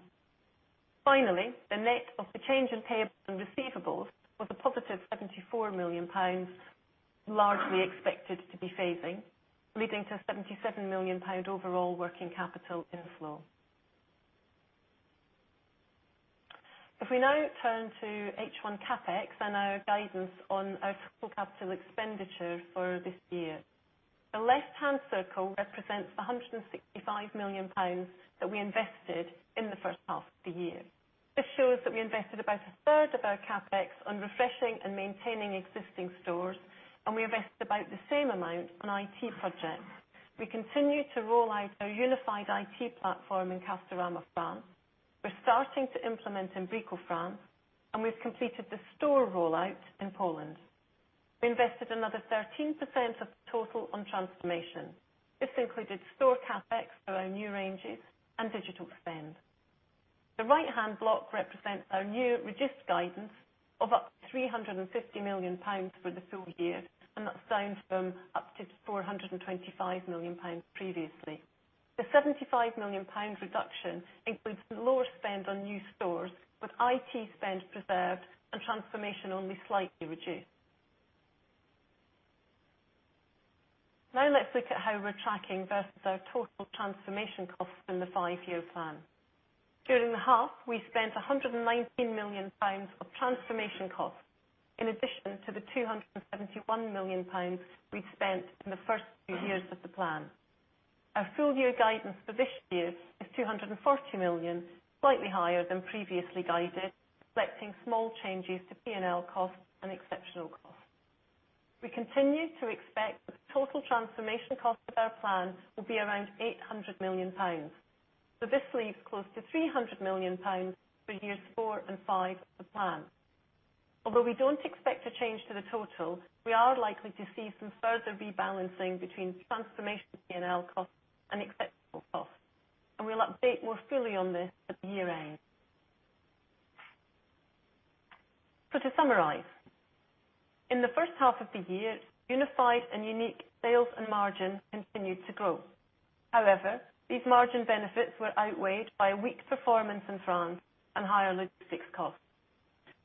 Finally, the net of the change in payables and receivables was a positive GBP 74 million, largely expected to be phasing, leading to a 77 million pound overall working capital inflow. If we now turn to H1 CapEx and our guidance on our full capital expenditure for this year. The left-hand circle represents the 165 million pounds that we invested in the first half of the year. This shows that we invested about a third of our CapEx on refreshing and maintaining existing stores, we invested about the same amount on IT projects. We continue to roll out our unified IT platform in Castorama France. We're starting to implement in Brico France, we've completed the store rollout in Poland. We invested another 13% of the total on transformation. This included store CapEx for our new ranges and digital spend. The right-hand block represents our new reduced guidance of up to 350 million pounds for the full year, that's down from up to 425 million pounds previously. The 75 million pounds reduction includes lower spend on new stores, with IT spend preserved and transformation only slightly reduced. Let's look at how we're tracking versus our total transformation costs in the five-year plan. During the half, we spent 119 million pounds of transformation costs in addition to the 271 million pounds we'd spent in the first two years of the plan. Our full-year guidance for this year is 240 million, slightly higher than previously guided, reflecting small changes to P&L costs and exceptional costs. We continue to expect that the total transformation cost of our plan will be around 800 million pounds. This leaves close to 300 million pounds for years four and five of the plan. Although we don't expect a change to the total, we are likely to see some further rebalancing between transformation P&L costs and exceptional costs, and we'll update more fully on this at the year-end. To summarize, in the first half of the year, unified and unique sales and margin continued to grow. However, these margin benefits were outweighed by a weak performance in France and higher logistics costs.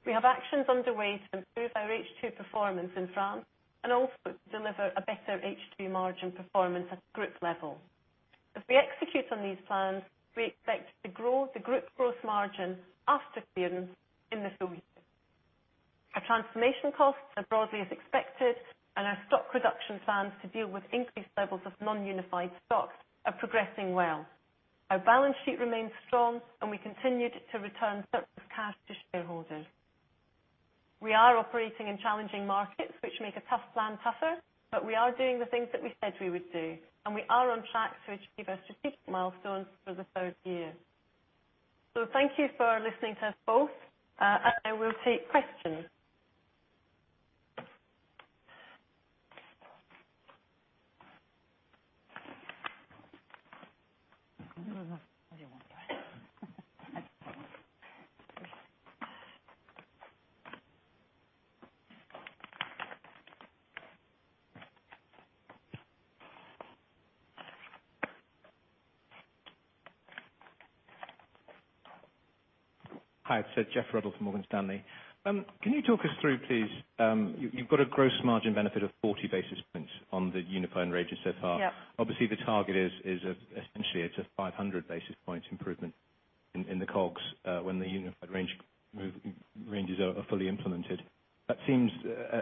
We have actions underway to improve our H2 performance in France and also to deliver a better H2 margin performance at group level. As we execute on these plans, we expect to grow the group gross margin after clearance in the full year. Our transformation costs are broadly as expected, and our stock reduction plans to deal with increased levels of non-unified stocks are progressing well. Our balance sheet remains strong, and we continued to return surplus cash to shareholders. We are operating in challenging markets, which make a tough plan tougher, but we are doing the things that we said we would do, and we are on track to achieve our strategic milestones for the third year. Thank you for listening to us both, and I will take questions. I don't want to. Hi. It's Geoff Lowery from Morgan Stanley. Can you talk us through, please, you've got a gross margin benefit of 40 basis points on the unified ranges so far. Yeah. The target is, essentially, it's a 500 basis points improvement in the COGS, when the unified ranges are fully implemented. That seems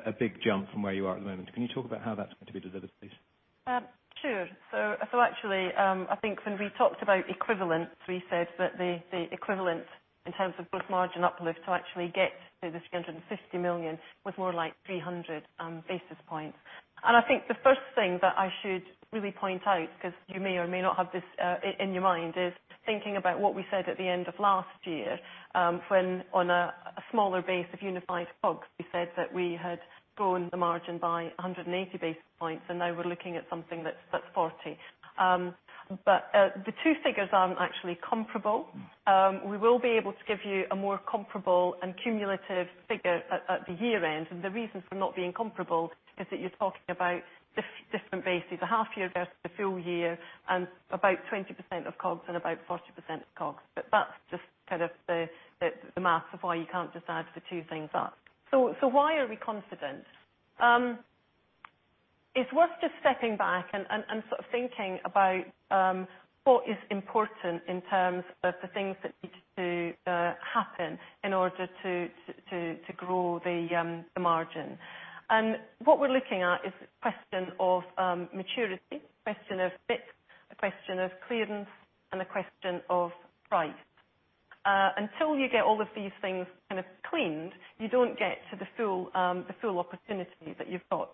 a big jump from where you are at the moment. Can you talk about how that's going to be delivered, please? Sure. Actually, I think when we talked about equivalents, we said that the equivalent, in terms of gross margin uplift to actually get to this 350 million, was more like 300 basis points. I think the first thing that I should really point out, because you may or may not have this in your mind, is thinking about what we said at the end of last year, when on a smaller base of unified COGS, we said that we had grown the margin by 180 basis points, and now we're looking at something that's 40. The two figures aren't actually comparable. We will be able to give you a more comparable and cumulative figure at the year-end. The reason for not being comparable is that you're talking about different bases, a half year versus a full year, and about 20% of COGS and about 40% of COGS. That's just the maths of why you can't just add the two things up. Why are we confident? It's worth just stepping back and thinking about what is important in terms of the things that need to happen in order to grow the margin. What we're looking at is a question of maturity, a question of mix, a question of clearance, and a question of price. Until you get all of these things cleaned, you don't get to the full opportunity that you've got,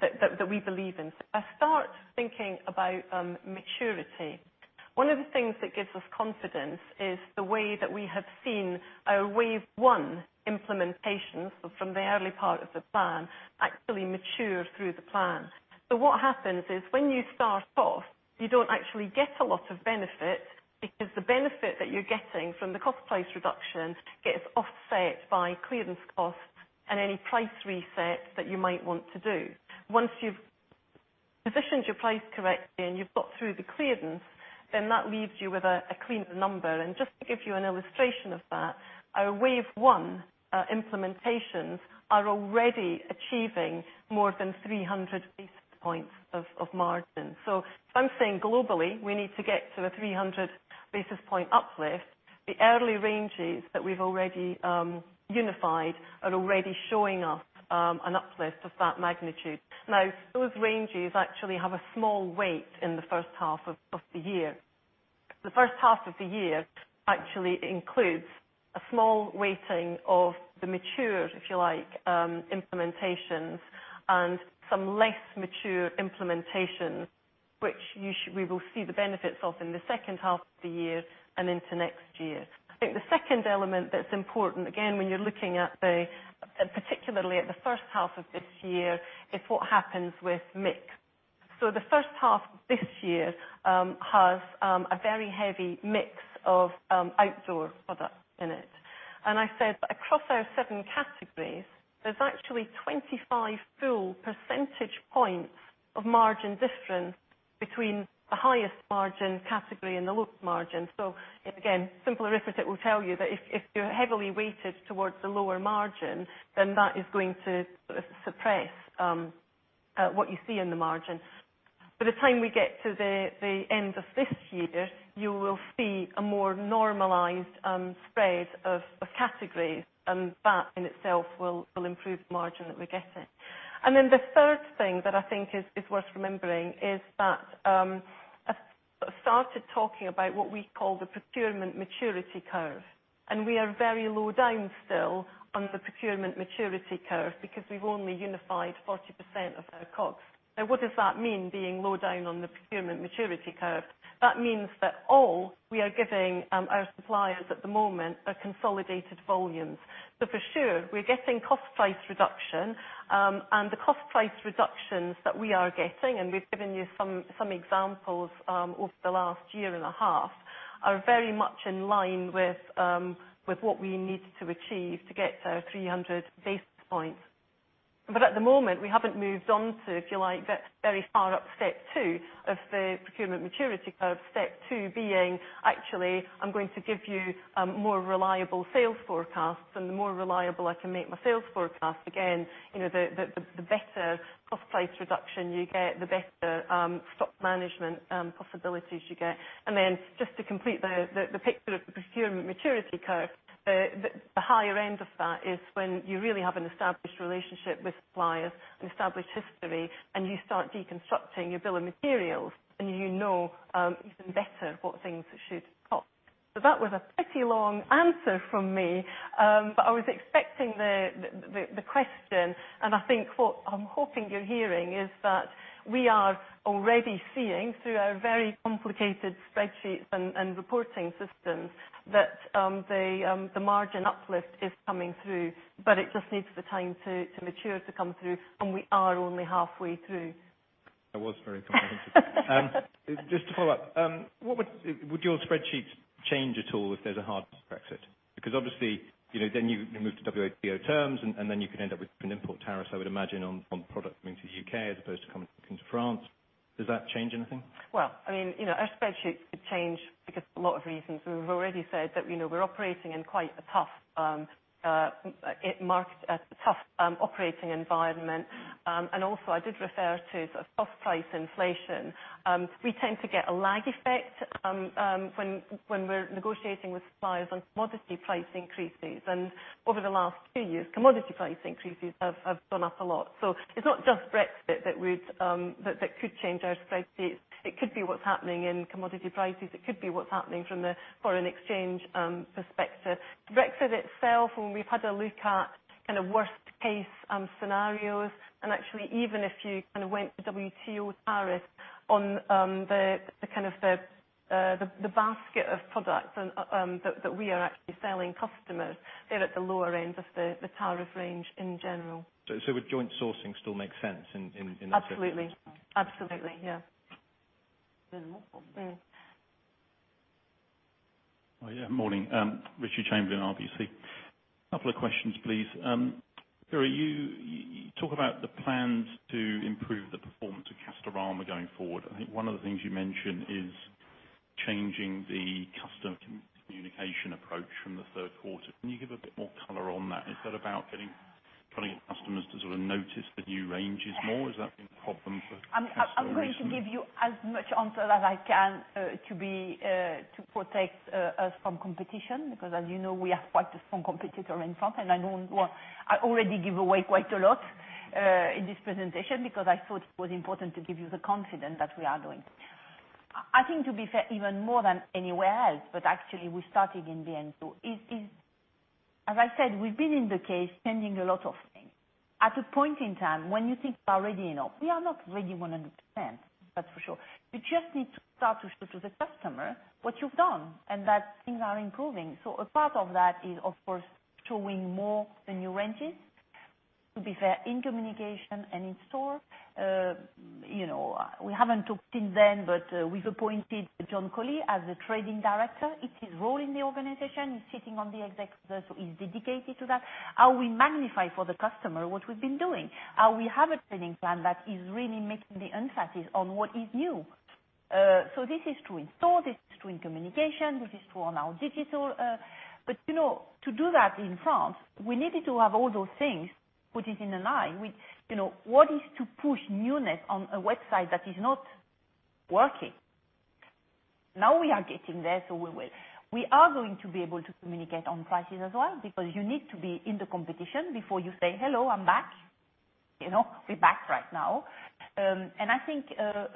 that we believe in. I start thinking about maturity. One of the things that gives us confidence is the way that we have seen our Wave One implementations from the early part of the plan actually mature through the plan. What happens is when you start off, you don't actually get a lot of benefit because the benefit that you're getting from the cost price reduction gets offset by clearance costs and any price reset that you might want to do. Once you've positioned your price correctly and you've got through the clearance, that leaves you with a cleaner number. Just to give you an illustration of that, our Wave One implementations are already achieving more than 300 basis points of margin. I'm saying globally, we need to get to a 300 basis point uplift. The early ranges that we've already unified are already showing us an uplift of that magnitude. Those ranges actually have a small weight in the first half of the year. The first half of the year actually includes a small weighting of the mature, if you like, implementations and some less mature implementations, which we will see the benefits of in the second half of the year and into next year. The second element that's important, again, when you're looking particularly at the first half of this year, is what happens with mix. The first half of this year has a very heavy mix of outdoor products in it. Across our 7 categories, there's actually 25 full percentage points of margin difference between the highest margin category and the lowest margin. Again, simple arithmetic will tell you that if you're heavily weighted towards the lower margin, then that is going to suppress what you see in the margin. By the time we get to the end of this year, you will see a more normalized spread of categories, and that in itself will improve the margin that we're getting. The third thing that I think is worth remembering is that I started talking about what we call the procurement maturity curve, and we are very low down still on the procurement maturity curve because we've only unified 40% of our COGS. What does that mean, being low down on the procurement maturity curve? That means that all we are giving our suppliers at the moment are consolidated volumes. For sure, we're getting cost price reduction, and the cost price reductions that we are getting, and we've given you some examples over the last year and a half, are very much in line with what we need to achieve to get to our 300 basis points. At the moment, we haven't moved on to, if you like, very far up step 2 of the procurement maturity curve. Step 2 being actually, I'm going to give you more reliable sales forecasts. The more reliable I can make my sales forecast, again the better cost price reduction you get, the better stock management possibilities you get. Just to complete the picture of the procurement maturity curve, the higher end of that is when you really have an established relationship with suppliers, an established history, and you start deconstructing your bill of materials and you know even better what things should cost. That was a pretty long answer from me, but I was expecting the question, and I think what I'm hoping you're hearing is that we are already seeing, through our very complicated spreadsheets and reporting systems, that the margin uplift is coming through, but it just needs the time to mature to come through. We are only halfway through. That was very comprehensive. Just to follow up. Would your spreadsheets change at all if there's a hard Brexit? Obviously, then you move to WTO terms, and then you can end up with an import tariff, I would imagine, on products coming to the U.K. as opposed to coming to France. Does that change anything? Well, our spreadsheets could change because of a lot of reasons. We've already said that we're operating in quite a tough market, a tough operating environment. Also, I did refer to cost price inflation. We tend to get a lag effect when we're negotiating with suppliers on commodity price increases. Over the last few years, commodity price increases have gone up a lot. It's not just Brexit that could change our spreadsheets. It could be what's happening in commodity prices. It could be what's happening from the foreign exchange perspective. Brexit itself, when we've had a look at worst-case scenarios, actually even if you went to WTO tariff on the basket of products that we are actually selling customers, they're at the lower end of the tariff range in general. Would joint sourcing still make sense in that situation? Absolutely. Absolutely, yeah. Morning. Richard Chamberlain, RBC. Couple of questions, please. Véronique, you talk about the plans to improve the performance of Castorama going forward. I think one of the things you mentioned is changing the customer communication approach from the third quarter. Can you give a bit more color on that? Is that about getting customers to sort of notice the new ranges more? Is that been a problem for customers? I'm going to give you as much answer that I can to protect us from competition because as you know, we have quite a strong competitor in France. I already give away quite a lot in this presentation because I thought it was important to give you the confidence that we are doing. I think to be fair, even more than anywhere else, but actually we started in B&Q is, as I said, we've been in the case changing a lot of things. At a point in time when you think we are ready enough, we are not ready 100%, that's for sure. We just need to start to show to the customer what you've done and that things are improving. A part of that is of course, showing more the new ranges, to be fair, in communication and in store. We haven't talked since then, but we've appointed John Colley as a trading director. It's his role in the organization. He's sitting on the executive, so he's dedicated to that. How we magnify for the customer what we've been doing, how we have a training plan that is really making the emphasis on what is new. This is true in store, this is true in communication, this is true on our digital. To do that in France, we needed to have all those things, put it in a line. What is to push newness on a website that is not working? Now we are getting there, so we will. We are going to be able to communicate on prices as well, because you need to be in the competition before you say, "Hello, I'm back." We're back right now. I think,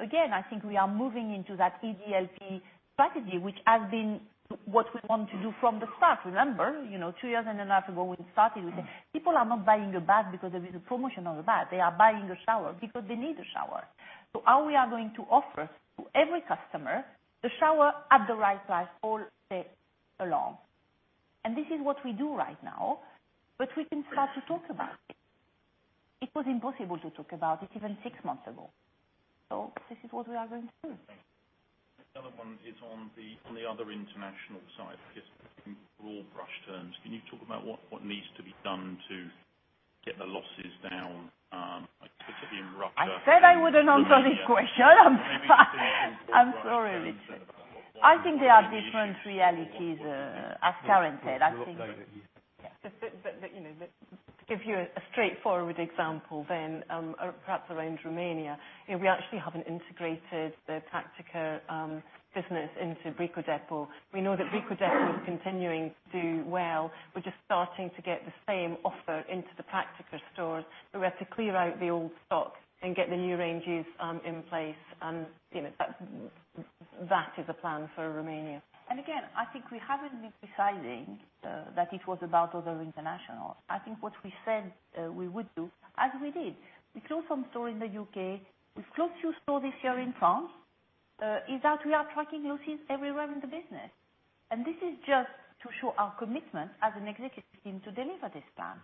again, I think we are moving into that EDLP strategy, which has been what we want to do from the start. Remember, 2 years and a half ago when we started, we said, people are not buying a bag because there is a promotion on the bag. They are buying a shower because they need a shower. How we are going to offer to every customer the shower at the right price all day long. This is what we do right now, but we can start to talk about it. It was impossible to talk about it even 6 months ago. This is what we are going to do. Thank you. The other one is on the other international side, I guess in broad brush terms, can you talk about what needs to be done to get the losses down, particularly in Russia? I said I wouldn't answer this question. I'm sorry. Maybe just in broad brush terms, what the issues are. I think there are different realities, as Karen said. What are they, do you think? To give you a straightforward example then, perhaps around Romania, we actually haven't integrated the Praktiker business into Brico Dépôt. We know that Brico Dépôt is continuing to do well. We're just starting to get the same offer into the Praktiker stores. We have to clear out the old stock and get the new ranges in place and that is a plan for Romania. Again, I think we haven't been precise that it was about other internationals. I think what we said, we would do as we did. We closed some stores in the U.K. We've closed few stores this year in France, is that we are tracking losses everywhere in the business. This is just to show our commitment as an executive team to deliver this plan.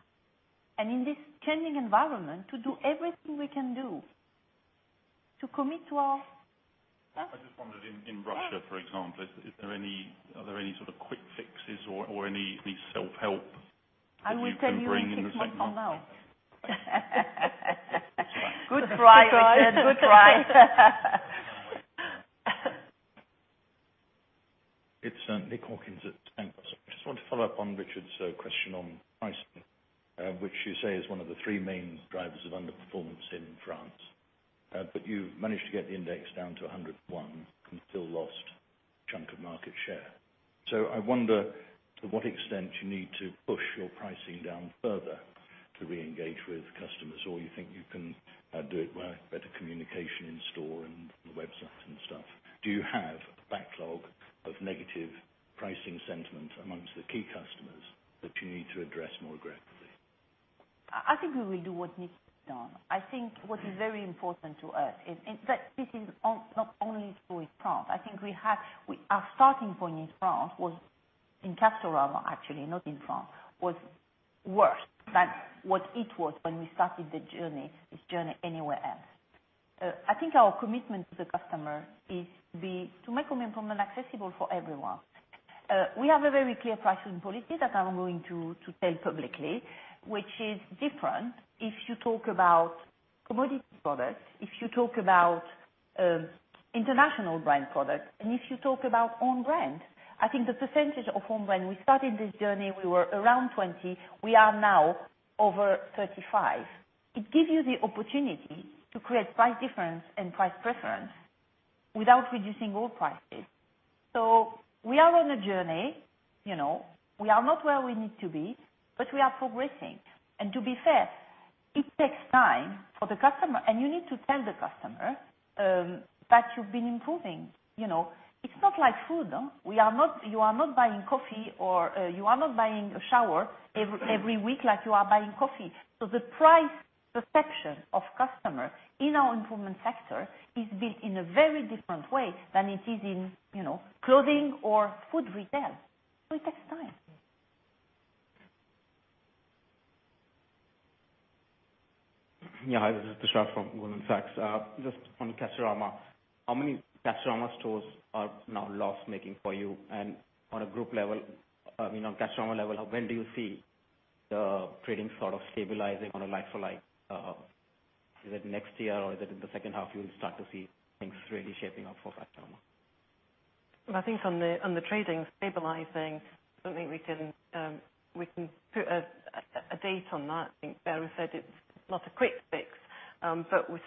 I just wondered in Russia, for example, are there any sort of quick fixes or any of these self-help that you can bring in the second half? I will tell you in six months from now. Good try, Richard. Good try. It's Nick Hawkins at Bank of America. I just want to follow up on Richard's question on pricing, which you say is one of the three main drivers of underperformance in France. You've managed to get the index down to 101 and still lost a chunk of market share. I wonder to what extent you need to push your pricing down further to reengage with customers, or you think you can do it by better communication in store and the website and stuff. Do you have a backlog of negative pricing sentiment amongst the key customers that you need to address more aggressively? I think we will do what needs to be done. I think what is very important to us is, in fact, this is not only true with France. I think our starting point in France was, in Castorama, actually not in France, was worse than what it was when we started the journey, this journey anywhere else. I think our commitment to the customer is to make home improvement accessible for everyone. We have a very clear pricing policy that I'm going to tell publicly, which is different if you talk about commodity products, if you talk about international brand products, and if you talk about own brand. I think the percentage of own brand, we started this journey, we were around 20, we are now over 35. It gives you the opportunity to create price difference and price preference without reducing all prices. We are on a journey, we are not where we need to be, but we are progressing. To be fair, it takes time for the customer, and you need to tell the customer that you've been improving. It's not like food. You are not buying coffee or you are not buying a shower every week like you are buying coffee. The price perception of customer in our improvement sector is built in a very different way than it is in clothing or food retail. It takes time. Yeah. Hi, this is Prashant from Goldman Sachs. On Castorama, how many Castorama stores are now loss-making for you? On a group level, Castorama level, when do you see the trading sort of stabilizing on a like-for-like? Is it next year or is it in the second half you'll start to see things really shaping up for Castorama? I think on the trading stabilizing, I don't think we can put a date on that. I think Bernard said it's not a quick fix.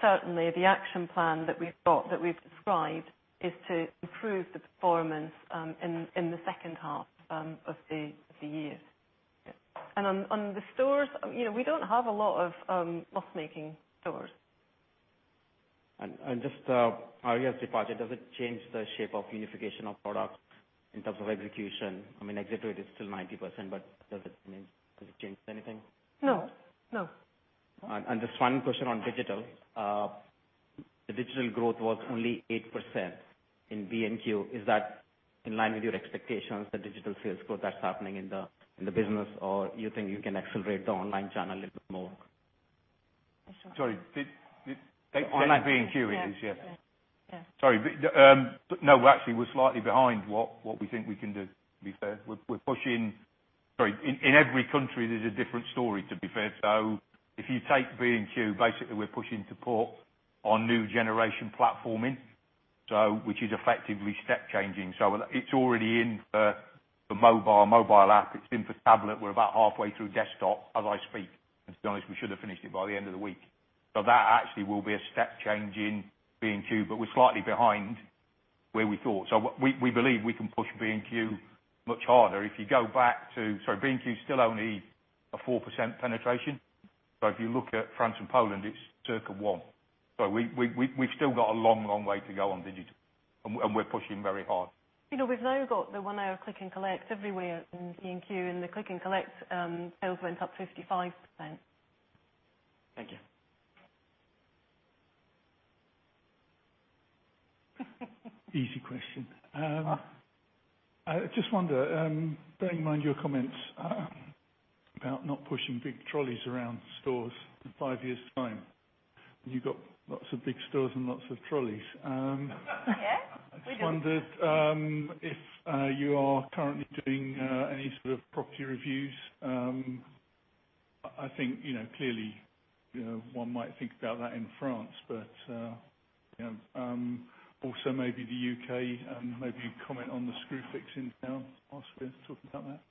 Certainly, the action plan that we've got, that we've described, is to improve the performance in the second half of the year. Yeah. On the stores, we don't have a lot of loss-making stores. Just Arja's departure, does it change the shape of unification of products in terms of execution? Executed is still 90%, does it change anything? No. Just one question on digital. The digital growth was only 8% in B&Q. Is that in line with your expectations, the digital sales growth that's happening in the business, or you think you can accelerate the online channel a little bit more? Prashant? Sorry. On that B&Q it is, yeah. Yeah. Sorry. No, actually, we're slightly behind what we think we can do, to be fair. In every country there's a different story, to be fair. If you take B&Q, basically we're pushing support on new generation platforming, which is effectively step changing. It's already in for mobile app, it's in for tablet. We're about halfway through desktop as I speak. And to be honest, we should have finished it by the end of the week. That actually will be a step change in B&Q, but we're slightly behind where we thought. We believe we can push B&Q much harder. Sorry, B&Q's still only a 4% penetration. If you look at France and Poland, it's circa one. We've still got a long way to go on digital, and we're pushing very hard. We've now got the one-hour click and collect everywhere in B&Q, and the click and collect sales went up 55%. Thank you. Easy question. I just wonder, bearing in mind your comments about not pushing big trolleys around stores in five years' time, and you've got lots of big stores and lots of trolleys. Yeah, we do. I just wondered if you are currently doing any sort of property reviews. I think, clearly, one might think about that in France, but also maybe the U.K. Maybe you comment on the Screwfix model. (Oscar), talk about that.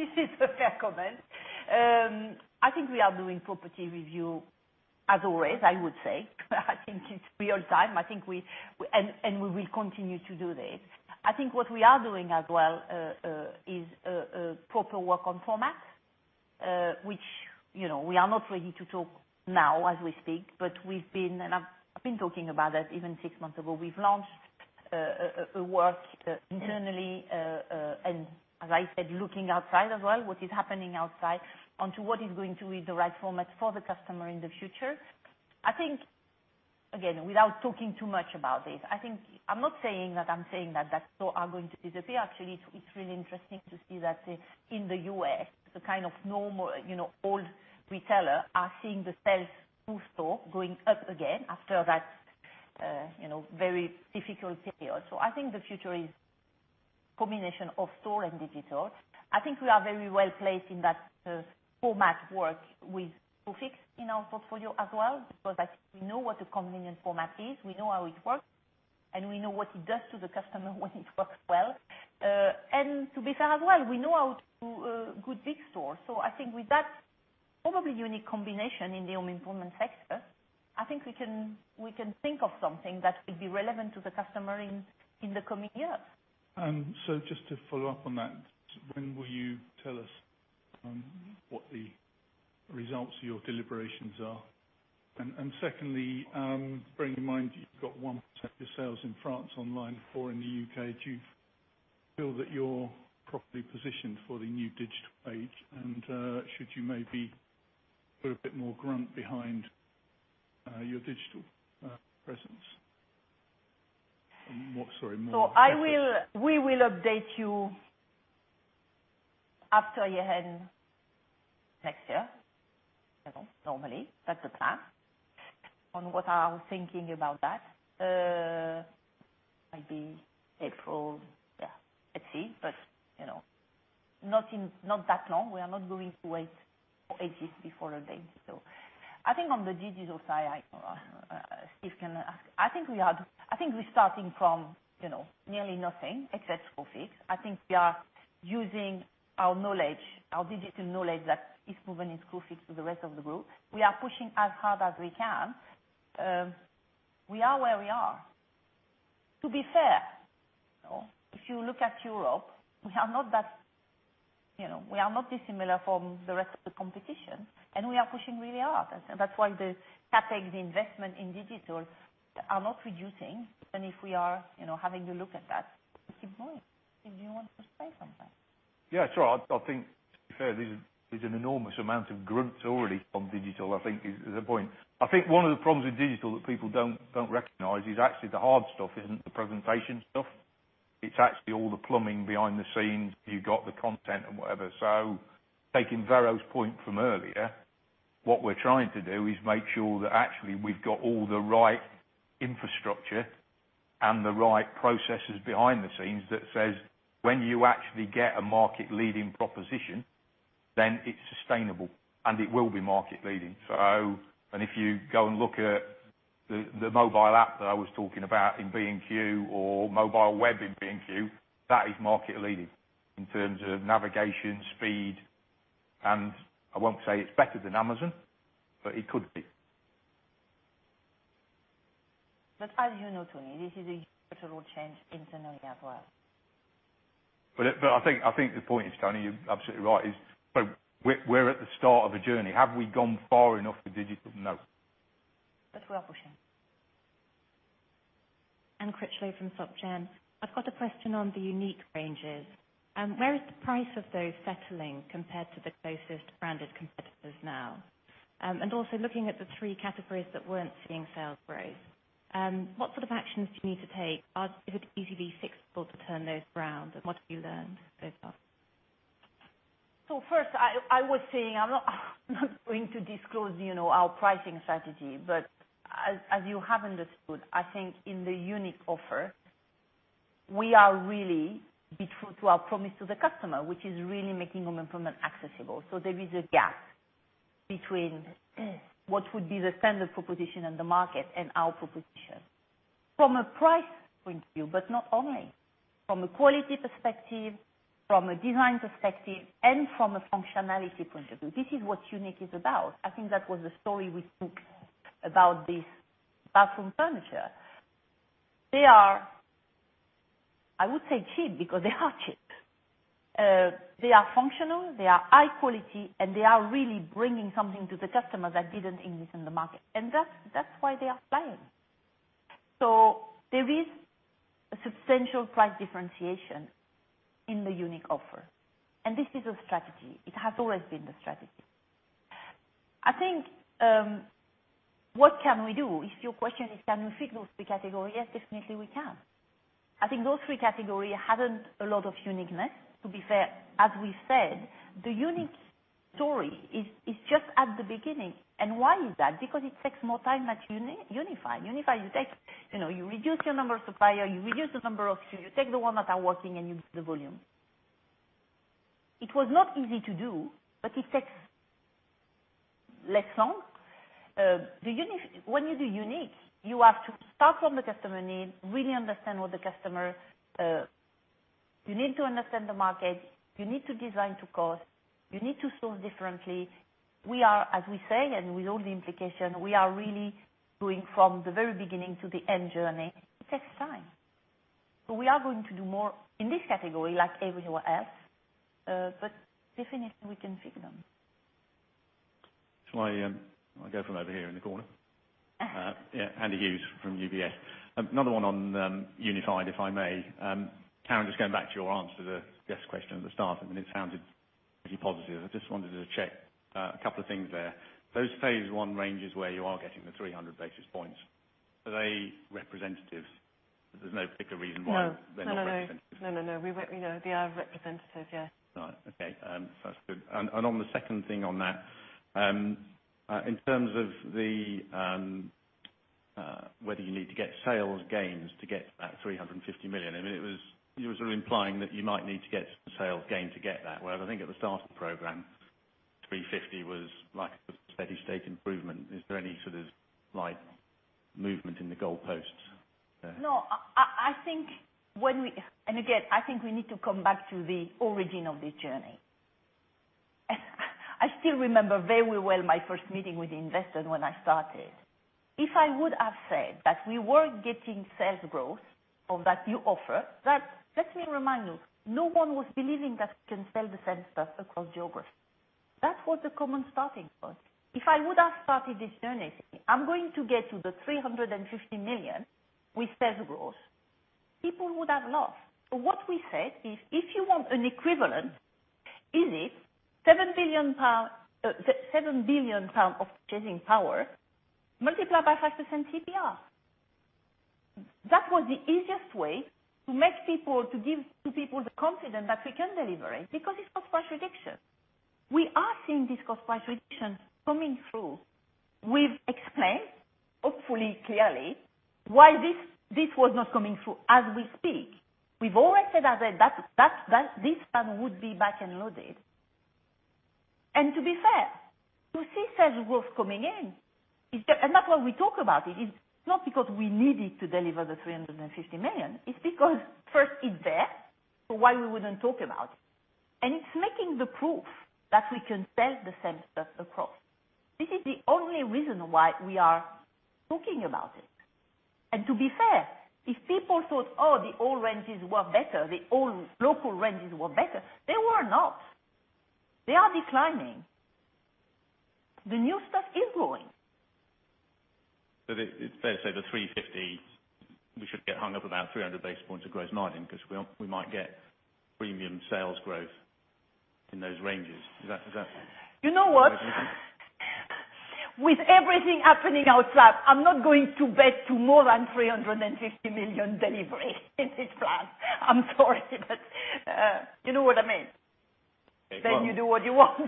Yeah. This is a fair comment. I think we are doing property review as always, I would say. I think it's real-time, and we will continue to do that. I think what we are doing as well is proper work on format, which we are not ready to talk now as we speak, but we've been, and I've been talking about that even six months ago. We've launched work internally, and as I said, looking outside as well, what is happening outside, onto what is going to be the right format for the customer in the future. I think, again, without talking too much about this, I'm not saying that that store are going to disappear. Actually, it's really interesting to see that in the U.S., the kind of normal, old retailer are seeing the sales through store going up again after that very difficult period. I think the future is combination of store and digital. I think we are very well-placed in that format work with Screwfix in our portfolio as well, because I think we know what a convenient format is. We know how it works, and we know what it does to the customer when it works well. To be fair as well, we know how to do a good big store. I think with that probably unique combination in the home improvement sector, I think we can think of something that will be relevant to the customer in the coming years. Just to follow up on that, when will you tell us what the results of your deliberations are? Secondly, bearing in mind you've got 1% of your sales in France online, 4% in the U.K. Do you feel that you're properly positioned for the new digital age? Should you maybe put a bit more grunt behind your digital presence? Sorry, more emphasis. We will update you after year end next year, normally. That's the plan on what I was thinking about that. Maybe April. Yeah, let's see, but not that long. We are not going to wait for ages before updating. I think on the digital side, Steve can I think we're starting from nearly nothing, except Screwfix. I think we are using our knowledge, our digital knowledge that is moving in Screwfix with the rest of the group. We are pushing as hard as we can. We are where we are. To be fair, if you look at Europe, we are not dissimilar from the rest of the competition, and we are pushing really hard. That's why the CapEx, the investment in digital are not reducing. If we are having a look at that, Steve Morris, did you want to say something? Yeah, sure. I think to be fair, there's an enormous amount of grunt already from digital, I think is the point. I think one of the problems with digital that people don't recognize is actually the hard stuff isn't the presentation stuff. It's actually all the plumbing behind the scenes. You've got the content and whatever. Taking Vero's point from earlier, what we're trying to do is make sure that actually we've got all the right infrastructure and the right processes behind the scenes that says when you actually get a market-leading proposition, then it's sustainable and it will be market leading. If you go and look at the mobile app that I was talking about in B&Q or mobile web in B&Q, that is market leading in terms of navigation, speed, and I won't say it's better than Amazon, but it could be. As you know, Tony, this is a cultural change internally as well. I think the point is, Tony, you're absolutely right, is we're at the start of a journey. Have we gone far enough with digital? No. We are pushing. Anne Critchlow from SocGen. I've got a question on the unique ranges. Where is the price of those settling compared to the closest branded competitors now? Looking at the three categories that weren't seeing sales growth, what sort of actions do you need to take? Is it easily fixable to turn those around? What have you learned so far? I was saying I'm not going to disclose our pricing strategy, but as you have understood, I think in the unique offer, we are really be true to our promise to the customer, which is really making home improvement accessible. There is a gap between what would be the standard proposition in the market and our proposition from a price point of view, but not only. From a quality perspective, from a design perspective, and from a functionality point of view. This is what unique is about. I think that was the story we took about this bathroom furniture. They are, I would say cheap, because they are cheap. They are functional, they are high quality, and they are really bringing something to the customer that didn't exist in the market, and that's why they are buying. There is a substantial price differentiation in the unique offer, and this is a strategy. It has always been the strategy. What can we do? If your question is can we fix those three categories, definitely we can. I think those three categories haven't a lot of uniqueness, to be fair. As we said, the unique story is just at the beginning. Why is that? Because it takes more time at unified. Unified, you reduce your number of suppliers, you reduce the number of SKUs, you take the ones that are working and you build the volume. It was not easy to do, but it takes less time. When you do unique, you have to start from the customer need, really understand what the customer. You need to understand the market. You need to design to cost. You need to source differently. We are, as we say, and with all the implications, we are really going from the very beginning to the end journey. It takes time. We are going to do more in this category like everywhere else. Definitely we can fix them. Shall I go from over here in the corner? Yeah. Andy Hughes from UBS. Another one on unified, if I may. Karen, just going back to your answer, the guest question at the start, I mean it sounded pretty positive. I just wanted to check a couple of things there. Those phase one ranges where you are getting the 300 basis points, are they representative? There's no particular reason why- No. They're not representative. No. They are representative. Yes. All right. Okay. That's good. On the second thing on that, in terms of whether you need to get sales gains to get to that 350 million. I mean, you were sort of implying that you might need to get some sales gain to get there. Whereas I think at the start of the program, 350 was like a steady state improvement. Is there any sort of slight movement in the goalposts there? No. Again, I think we need to come back to the origin of this journey. I still remember very well my first meeting with investors when I started. If I would have said that we were getting sales growth on that new offer, that, let me remind you, no one was believing that we can sell the same stuff across geographies. That was the common starting point. If I would have started this journey saying, "I'm going to get to the 350 million with sales growth," people would have laughed. What we said is, "If you want an equivalent, is it 7 billion pound of changing power multiplied by 5% CPR?" That was the easiest way to give people the confidence that we can deliver it because it's cost price reduction. We are seeing this cost price reduction coming through. We've explained, hopefully clearly, why this was not coming through as we speak. We've always said that this plan would be back and loaded. To be fair, to see sales growth coming in, and that's why we talk about it's not because we need it to deliver the 350 million. It's because first it's there, why we wouldn't talk about it? It's making the proof that we can sell the same stuff across. This is the only reason why we are talking about it. To be fair, if people thought, "Oh, the old ranges were better, the old local ranges were better," they were not. They are declining. The new stuff is growing. It's fair to say the 350, we should get hung up about 300 basis points of gross margin because we might get premium sales growth in those ranges. Is that? You know what? With everything happening outside, I'm not going to bet to more than 350 million delivery in this plan. I'm sorry, you know what I mean. Yeah. You do what you want,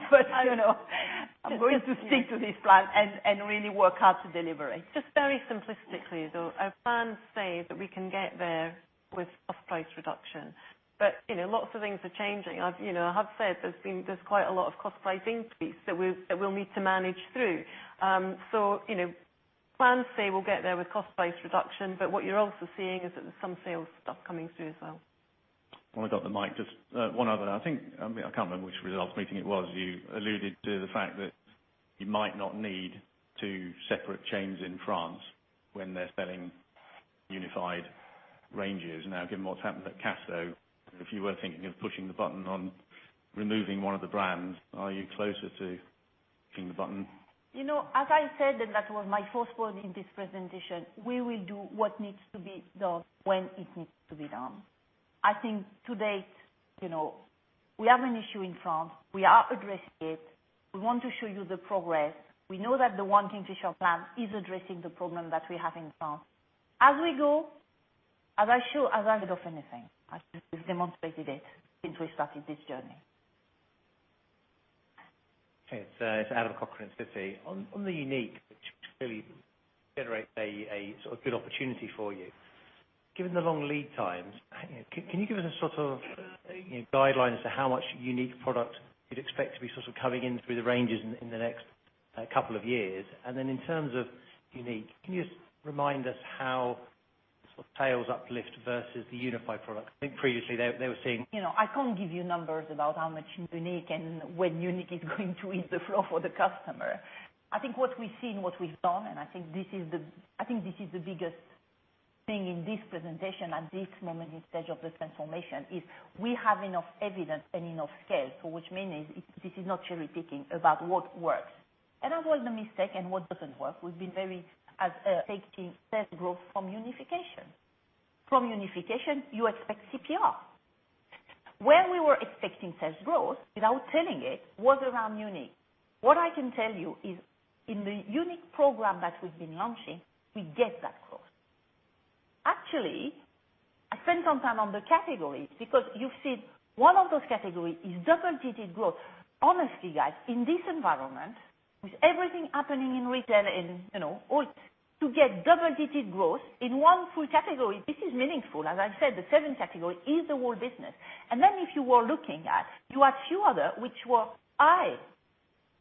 I'm going to stick to this plan and really work hard to deliver it. Just very simplistically, though, our plans say that we can get there with cost price reduction. Lots of things are changing. I have said there's quite a lot of cost price increase that we'll need to manage through. Plans say we'll get there with cost price reduction, what you're also seeing is that there's some sales stuff coming through as well. While I got the mic, just one other. I can't remember which results meeting it was, you alluded to the fact that you might not need two separate chains in France when they're selling unified ranges. Given what's happened at Casto, if you were thinking of pushing the button on removing one of the brands, are you closer to pushing the button? As I said, that was my first point in this presentation, we will do what needs to be done when it needs to be done. I think to date, we have an issue in France. We are addressing it. We want to show you the progress. We know that the One Kingfisher plan is addressing the problem that we have in France. As we go, as I show, as I did of anything, I've just demonstrated it since we started this journey. It's Adam Cochrane, Citi. On the unique, which really generates a good opportunity for you. Given the long lead times, can you give us a sort of guideline as to how much unique product you'd expect to be coming in through the ranges in the next couple of years? In terms of unique, can you just remind us how sales uplift versus the unified product? I think previously they were seeing- I can't give you numbers about how much unique and when unique is going to hit the floor for the customer. I think what we've seen, what we've done, and I think this is the biggest thing in this presentation at this moment in stage of this transformation, is we have enough evidence and enough scale. Which means this is not cherry picking about what works. Avoid the mistake and what doesn't work. We've been very as taking sales growth from unification. From unification, you expect CPR. Where we were expecting sales growth, without telling it, was around unique. What I can tell you is in the unique program that we've been launching, we get that growth. Actually, I spent some time on the categories because you've seen one of those categories is double-digit growth. Honestly, guys, in this environment, with everything happening in retail and all, to get double-digit growth in one full category, this is meaningful. As I said, the seventh category is the whole business. Then if you were looking at, you had few other, which were high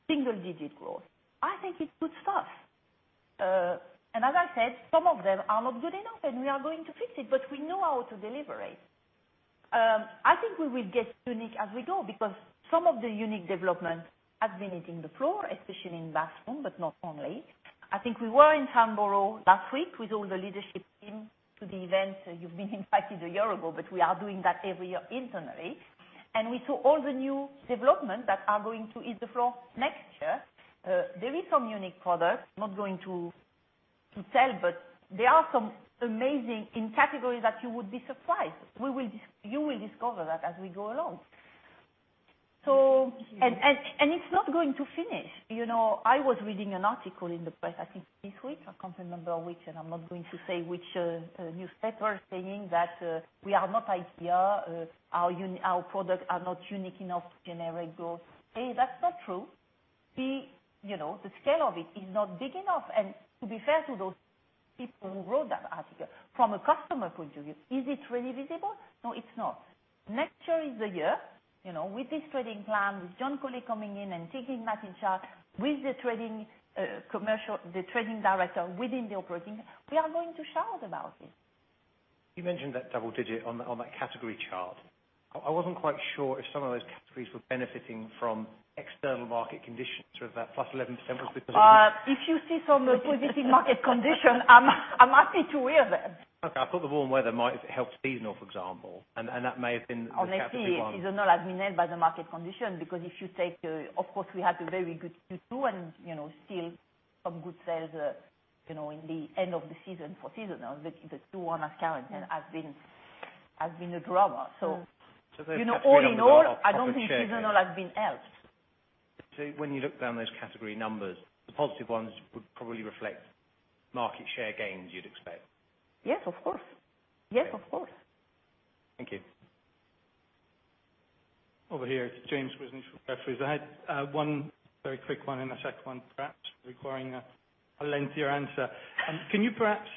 single digit growth. I think it's good stuff. As I said, some of them are not good enough, and we are going to fix it, but we know how to deliver it. I think we will get unique as we go because some of the unique developments have been hitting the floor, especially in bathroom, but not only. I think we were in Templemars last week with all the leadership team to the event. You've been invited a year ago, but we are doing that every year internally. We saw all the new developments that are going to hit the floor next year. There is some unique product, not going to tell, but there are some amazing in categories that you would be surprised. You will discover that as we go along. Thank you. It's not going to finish. I was reading an article in the press, I think this week, I can't remember which, I'm not going to say which newspaper saying that we are not IKEA, our products are not unique enough to generate growth. A, that's not true. B, the scale of it is not big enough. To be fair to those people who wrote that article, from a customer point of view, is it really visible? No, it's not. Next year is the year. With this trading plan, with John Colley coming in and taking that in charge with the trading commercial, the trading director within the operating, we are going to shout about it. You mentioned that double digit on that category chart. I wasn't quite sure if some of those categories were benefiting from external market conditions, sort of that plus 11% was because of the- If you see some positive market condition, I am happy to hear them. Okay. I thought the warm weather might have helped seasonal, for example, and that may have been the category 1. Honestly, seasonal has been helped by the market condition because if you take, of course, we had a very good Q2 and still some good sales in the end of the season for seasonal. The two are current and have been a driver. Those category 1. All in all, I don't think seasonal has been helped. When you look down those category numbers, the positive ones would probably reflect market share gains you'd expect? Yes, of course. Okay. Yes, of course. Thank you. Over here, it's James. I had one very quick one and a second one, perhaps requiring a lengthier answer. Can you perhaps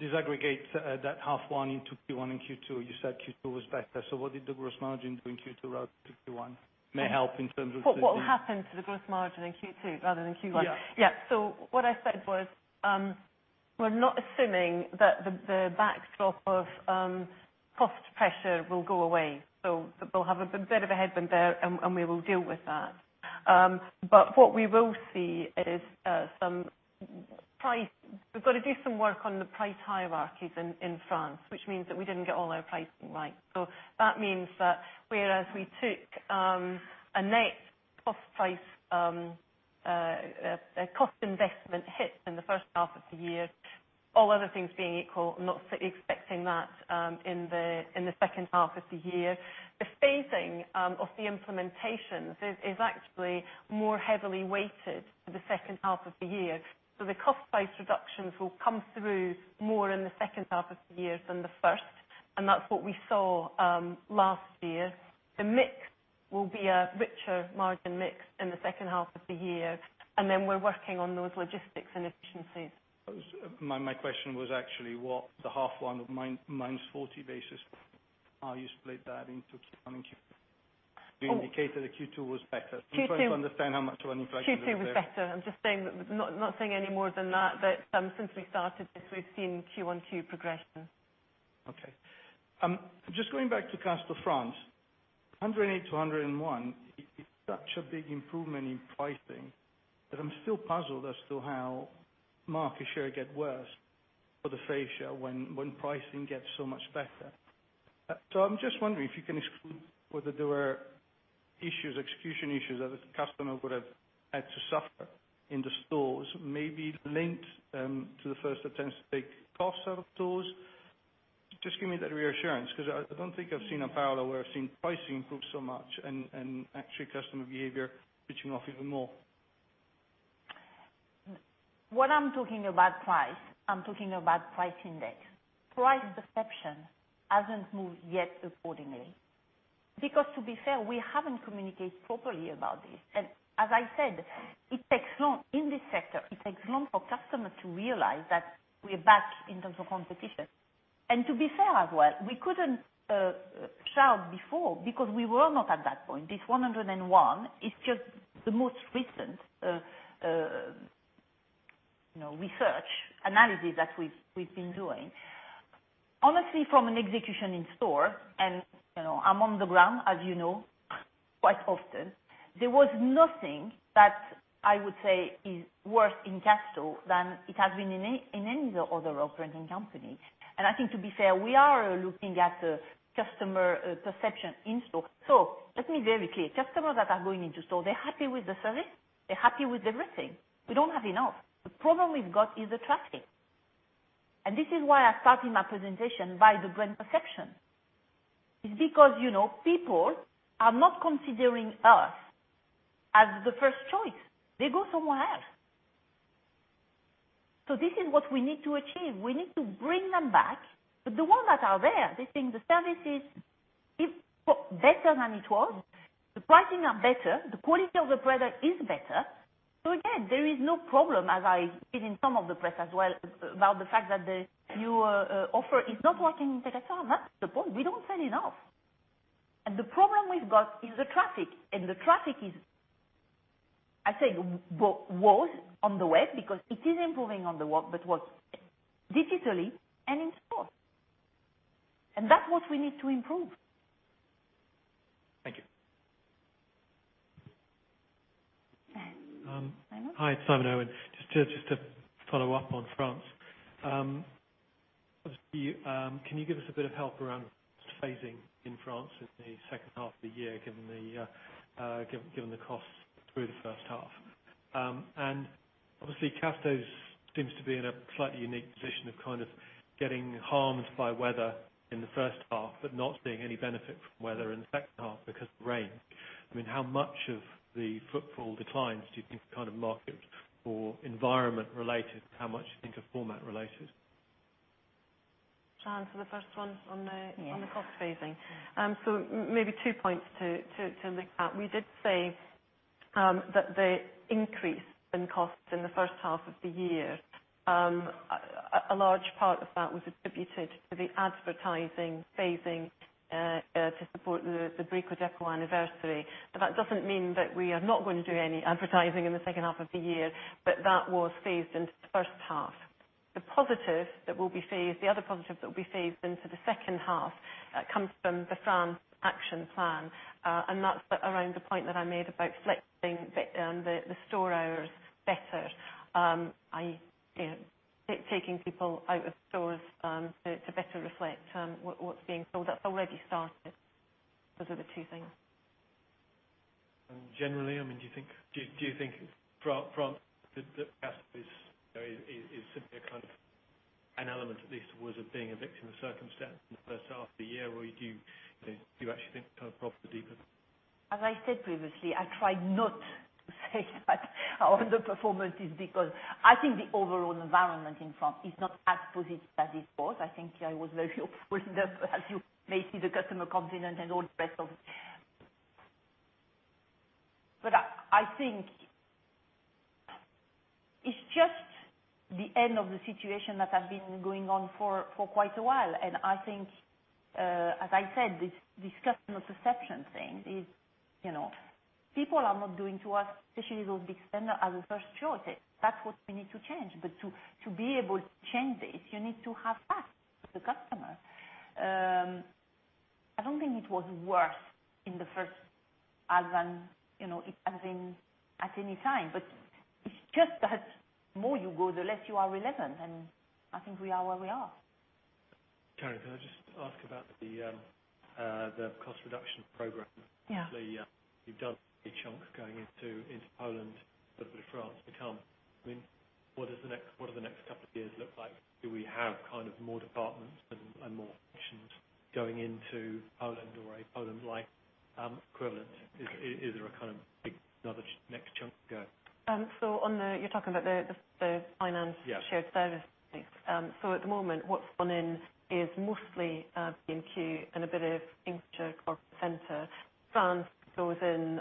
disaggregate that half one into Q1 and Q2? You said Q2 was better, what did the gross margin do in Q2 rather than Q1? What happened to the gross margin in Q2 rather than Q1? Yeah. What I said was, we're not assuming that the backstop of cost pressure will go away. We'll have a bit of a headwind there, we will deal with that. What we will see is We've got to do some work on the price hierarchies in France, which means that we didn't get all our pricing right. That means that whereas we took a net cost price, a cost investment hit in the first half of the year- All other things being equal, I'm not expecting that in the second half of the year. The phasing of the implementations is actually more heavily weighted to the second half of the year. The cost base reductions will come through more in the second half of the year than the first, that's what we saw last year. The mix will be a richer margin mix in the second half of the year. Then we're working on those logistics and efficiencies. My question was actually what the H1 of minus 40 basis, how you split that into Q1 and Q2. You indicated that Q2 was better. Q2- I'm trying to understand how much of an impact it was there. Q2 was better. I'm just not saying any more than that. Since we started this, we've seen Q1, Q2 progression. Okay. Just going back to Castorama France, 108 to 101 is such a big improvement in pricing that I'm still puzzled as to how market share get worse for the fascia when pricing gets so much better. I'm just wondering if you can exclude whether there were execution issues that the customer would have had to suffer in the stores, maybe linked to the first attempt to take costs out of stores. Just give me that reassurance, because I don't think I've seen a parallel where I've seen pricing improve so much and actually customer behavior switching off even more. When I'm talking about price, I'm talking about price index. Price perception hasn't moved yet accordingly, because to be fair, we haven't communicated properly about this. As I said, in this sector, it takes long for customers to realize that we are back in terms of competition. To be fair as well, we couldn't shout before because we were not at that point. This 101 is just the most recent research analysis that we've been doing. Honestly, from an execution in store, and I'm on the ground, as you know, quite often, there was nothing that I would say is worse in Casto than it has been in any of the other operating companies. I think to be fair, we are looking at customer perception in store. Let me be very clear. Customers that are going into store, they're happy with the service, they're happy with everything. We don't have enough. The problem we've got is attracting. This is why I started my presentation by the brand perception. This is because people are not considering us as the first choice. They go somewhere else. This is what we need to achieve. We need to bring them back. The ones that are there, they think the service is better than it was. The pricing are better, the quality of the product is better. Again, there is no problem as I read in some of the press as well about the fact that the new offer is not working in. [inaudible] That's the point. We don't sell enough. The problem we've got is the traffic. The traffic is, I say, was on the web because it is improving on the web, but was digitally and in store. That's what we need to improve. Thank you. Simon. Hi, Simon Owen. Just to follow up on France. Can you give us a bit of help around phasing in France in the second half of the year, given the costs through the first half? Obviously, Casto seems to be in a slightly unique position of kind of getting harmed by weather in the first half, but not seeing any benefit from weather in the second half because of rain. How much of the footfall declines do you think are kind of market or environment related? How much do you think are format related? (Joanne), for the first one on the cost phasing. Maybe two points to make that. We did say that the increase in costs in the first half of the year, a large part of that was attributed to the advertising phasing to support the Brico Dépôt anniversary. That doesn't mean that we are not going to do any advertising in the second half of the year, but that was phased into the first half. The other positive that will be phased into the second half comes from the France action plan. That's around the point that I made about flexing the store hours better. Taking people out of stores to better reflect what's being sold. That's already started. Those are the two things. Generally, do you think France, that perhaps is simply a kind of an element at least towards it being a victim of circumstance in the first half of the year, or do you actually think it kind of runs deeper? As I said previously, I try not to say that underperformance is because I think the overall environment in France is not as positive as it was. I think I was very hopeful as you may see the customer confidence and all the rest of I think it's just the end of the situation that has been going on for quite a while. I think, as I said, this customer perception thing is people are not going to us, especially those big spenders, as a first choice. That's what we need to change. To be able to change this, you need to have facts for the customer. I don't think it was worse in the first half than it has been at any time, but it's just that more you go, the less you are relevant, and I think we are where we are. Karen, can I just ask about the cost reduction program? Yeah. You've done a chunk going into Poland. With France to come, what do the next couple of years look like? Do we have more departments and more functions going into Poland or a Poland-like equivalent? Is there a big another next chunk to go? You are talking about the finance. Yeah shared service piece. At the moment, what has gone in is mostly B&Q and a bit of Kingfisher Corporate Center. France goes in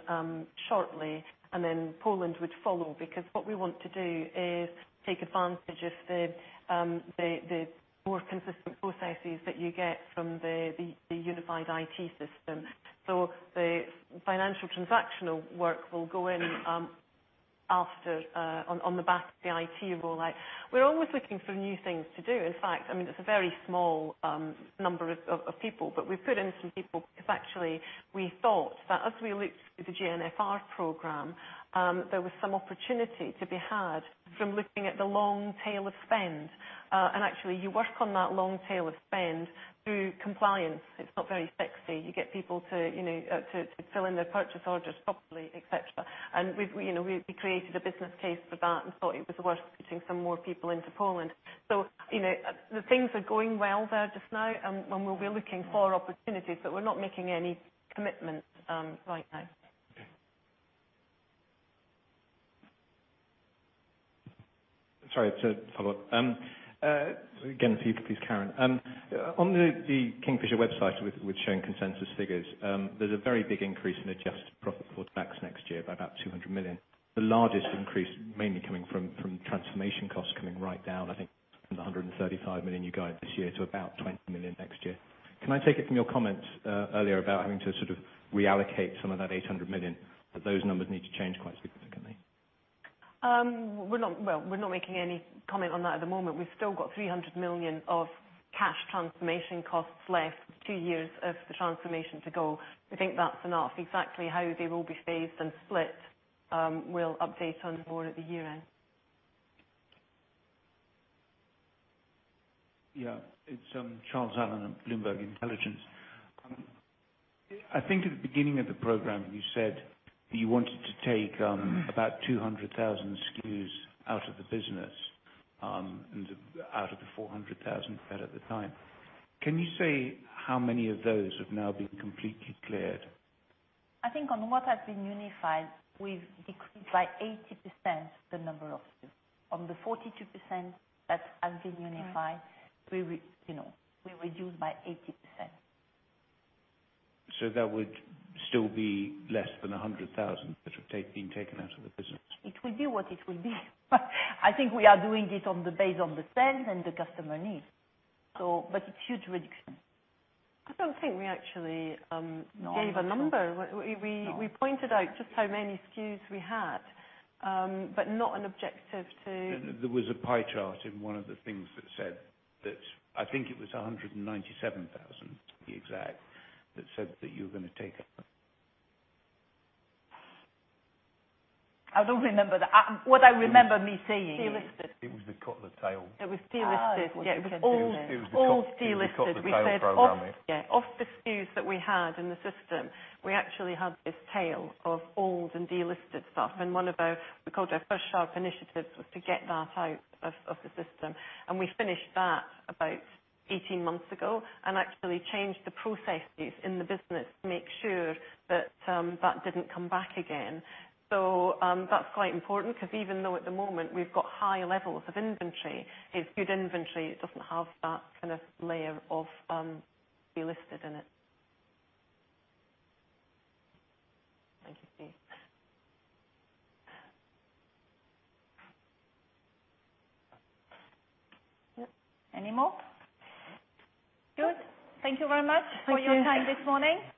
shortly, then Poland would follow because what we want to do is take advantage of the more consistent processes that you get from the unified IT system. The financial transactional work will go in on the back of the IT rollout. We are always looking for new things to do. In fact, it is a very small number of people, but we have put in some people because actually we thought that as we looked at the GNFR program, there was some opportunity to be had from looking at the long tail of spend. Actually, you work on that long tail of spend through compliance. It is not very sexy. You get people to fill in their purchase orders properly, et cetera. We created a business case for that and thought it was worth putting some more people into Poland. The things are going well there just now, and we will be looking for opportunities, but we are not making any commitments right now. Okay. Sorry. To follow up. Again, for you please, Karen. On the Kingfisher website with showing consensus figures, there is a very big increase in adjusted profit for tax next year by about 200 million. The largest increase mainly coming from transformation costs coming right down, I think from 135 million you guide this year to about 20 million next year. Can I take it from your comments earlier about having to sort of reallocate some of that 800 million, that those numbers need to change quite significantly? Well, we're not making any comment on that at the moment. We've still got 300 million of cash transformation costs left, two years of the transformation to go. We think that's enough. Exactly how they will be phased and split, we'll update on more at the year-end. Yeah. It's Charles Allen of Bloomberg Intelligence. I think at the beginning of the program, you said that you wanted to take about 200,000 SKUs out of the business, out of the 400,000 you had at the time. Can you say how many of those have now been completely cleared? I think on what has been unified, we've decreased by 80% the number of SKUs. On the 42% that has been unified, we reduced by 80%. That would still be less than 100,000 that have been taken out of the business. It will be what it will be. I think we are doing it on the base of the spend and the customer needs. It's huge reduction. I don't think we actually gave a number. No. We pointed out just how many SKUs we had. Not an objective. There was a pie chart in one of the things that said that, I think it was 197,000 to be exact, that said that you were going to take out. I don't remember that. What I remember me saying is. Delisted. It was the cut of the tail. It was delisted. Yeah. It was all delisted. It was the Cut the Tail Program. Of the SKUs that we had in the system, we actually had this tail of old and delisted stuff. Our first sharp initiatives was to get that out of the system. We finished that about 18 months ago and actually changed the processes in the business to make sure that that didn't come back again. That's quite important because even though at the moment we've got high levels of inventory, it's good inventory. It doesn't have that kind of layer of delisted in it. Thank you, Steve. Any more? Good. Thank you very much for your time this morning.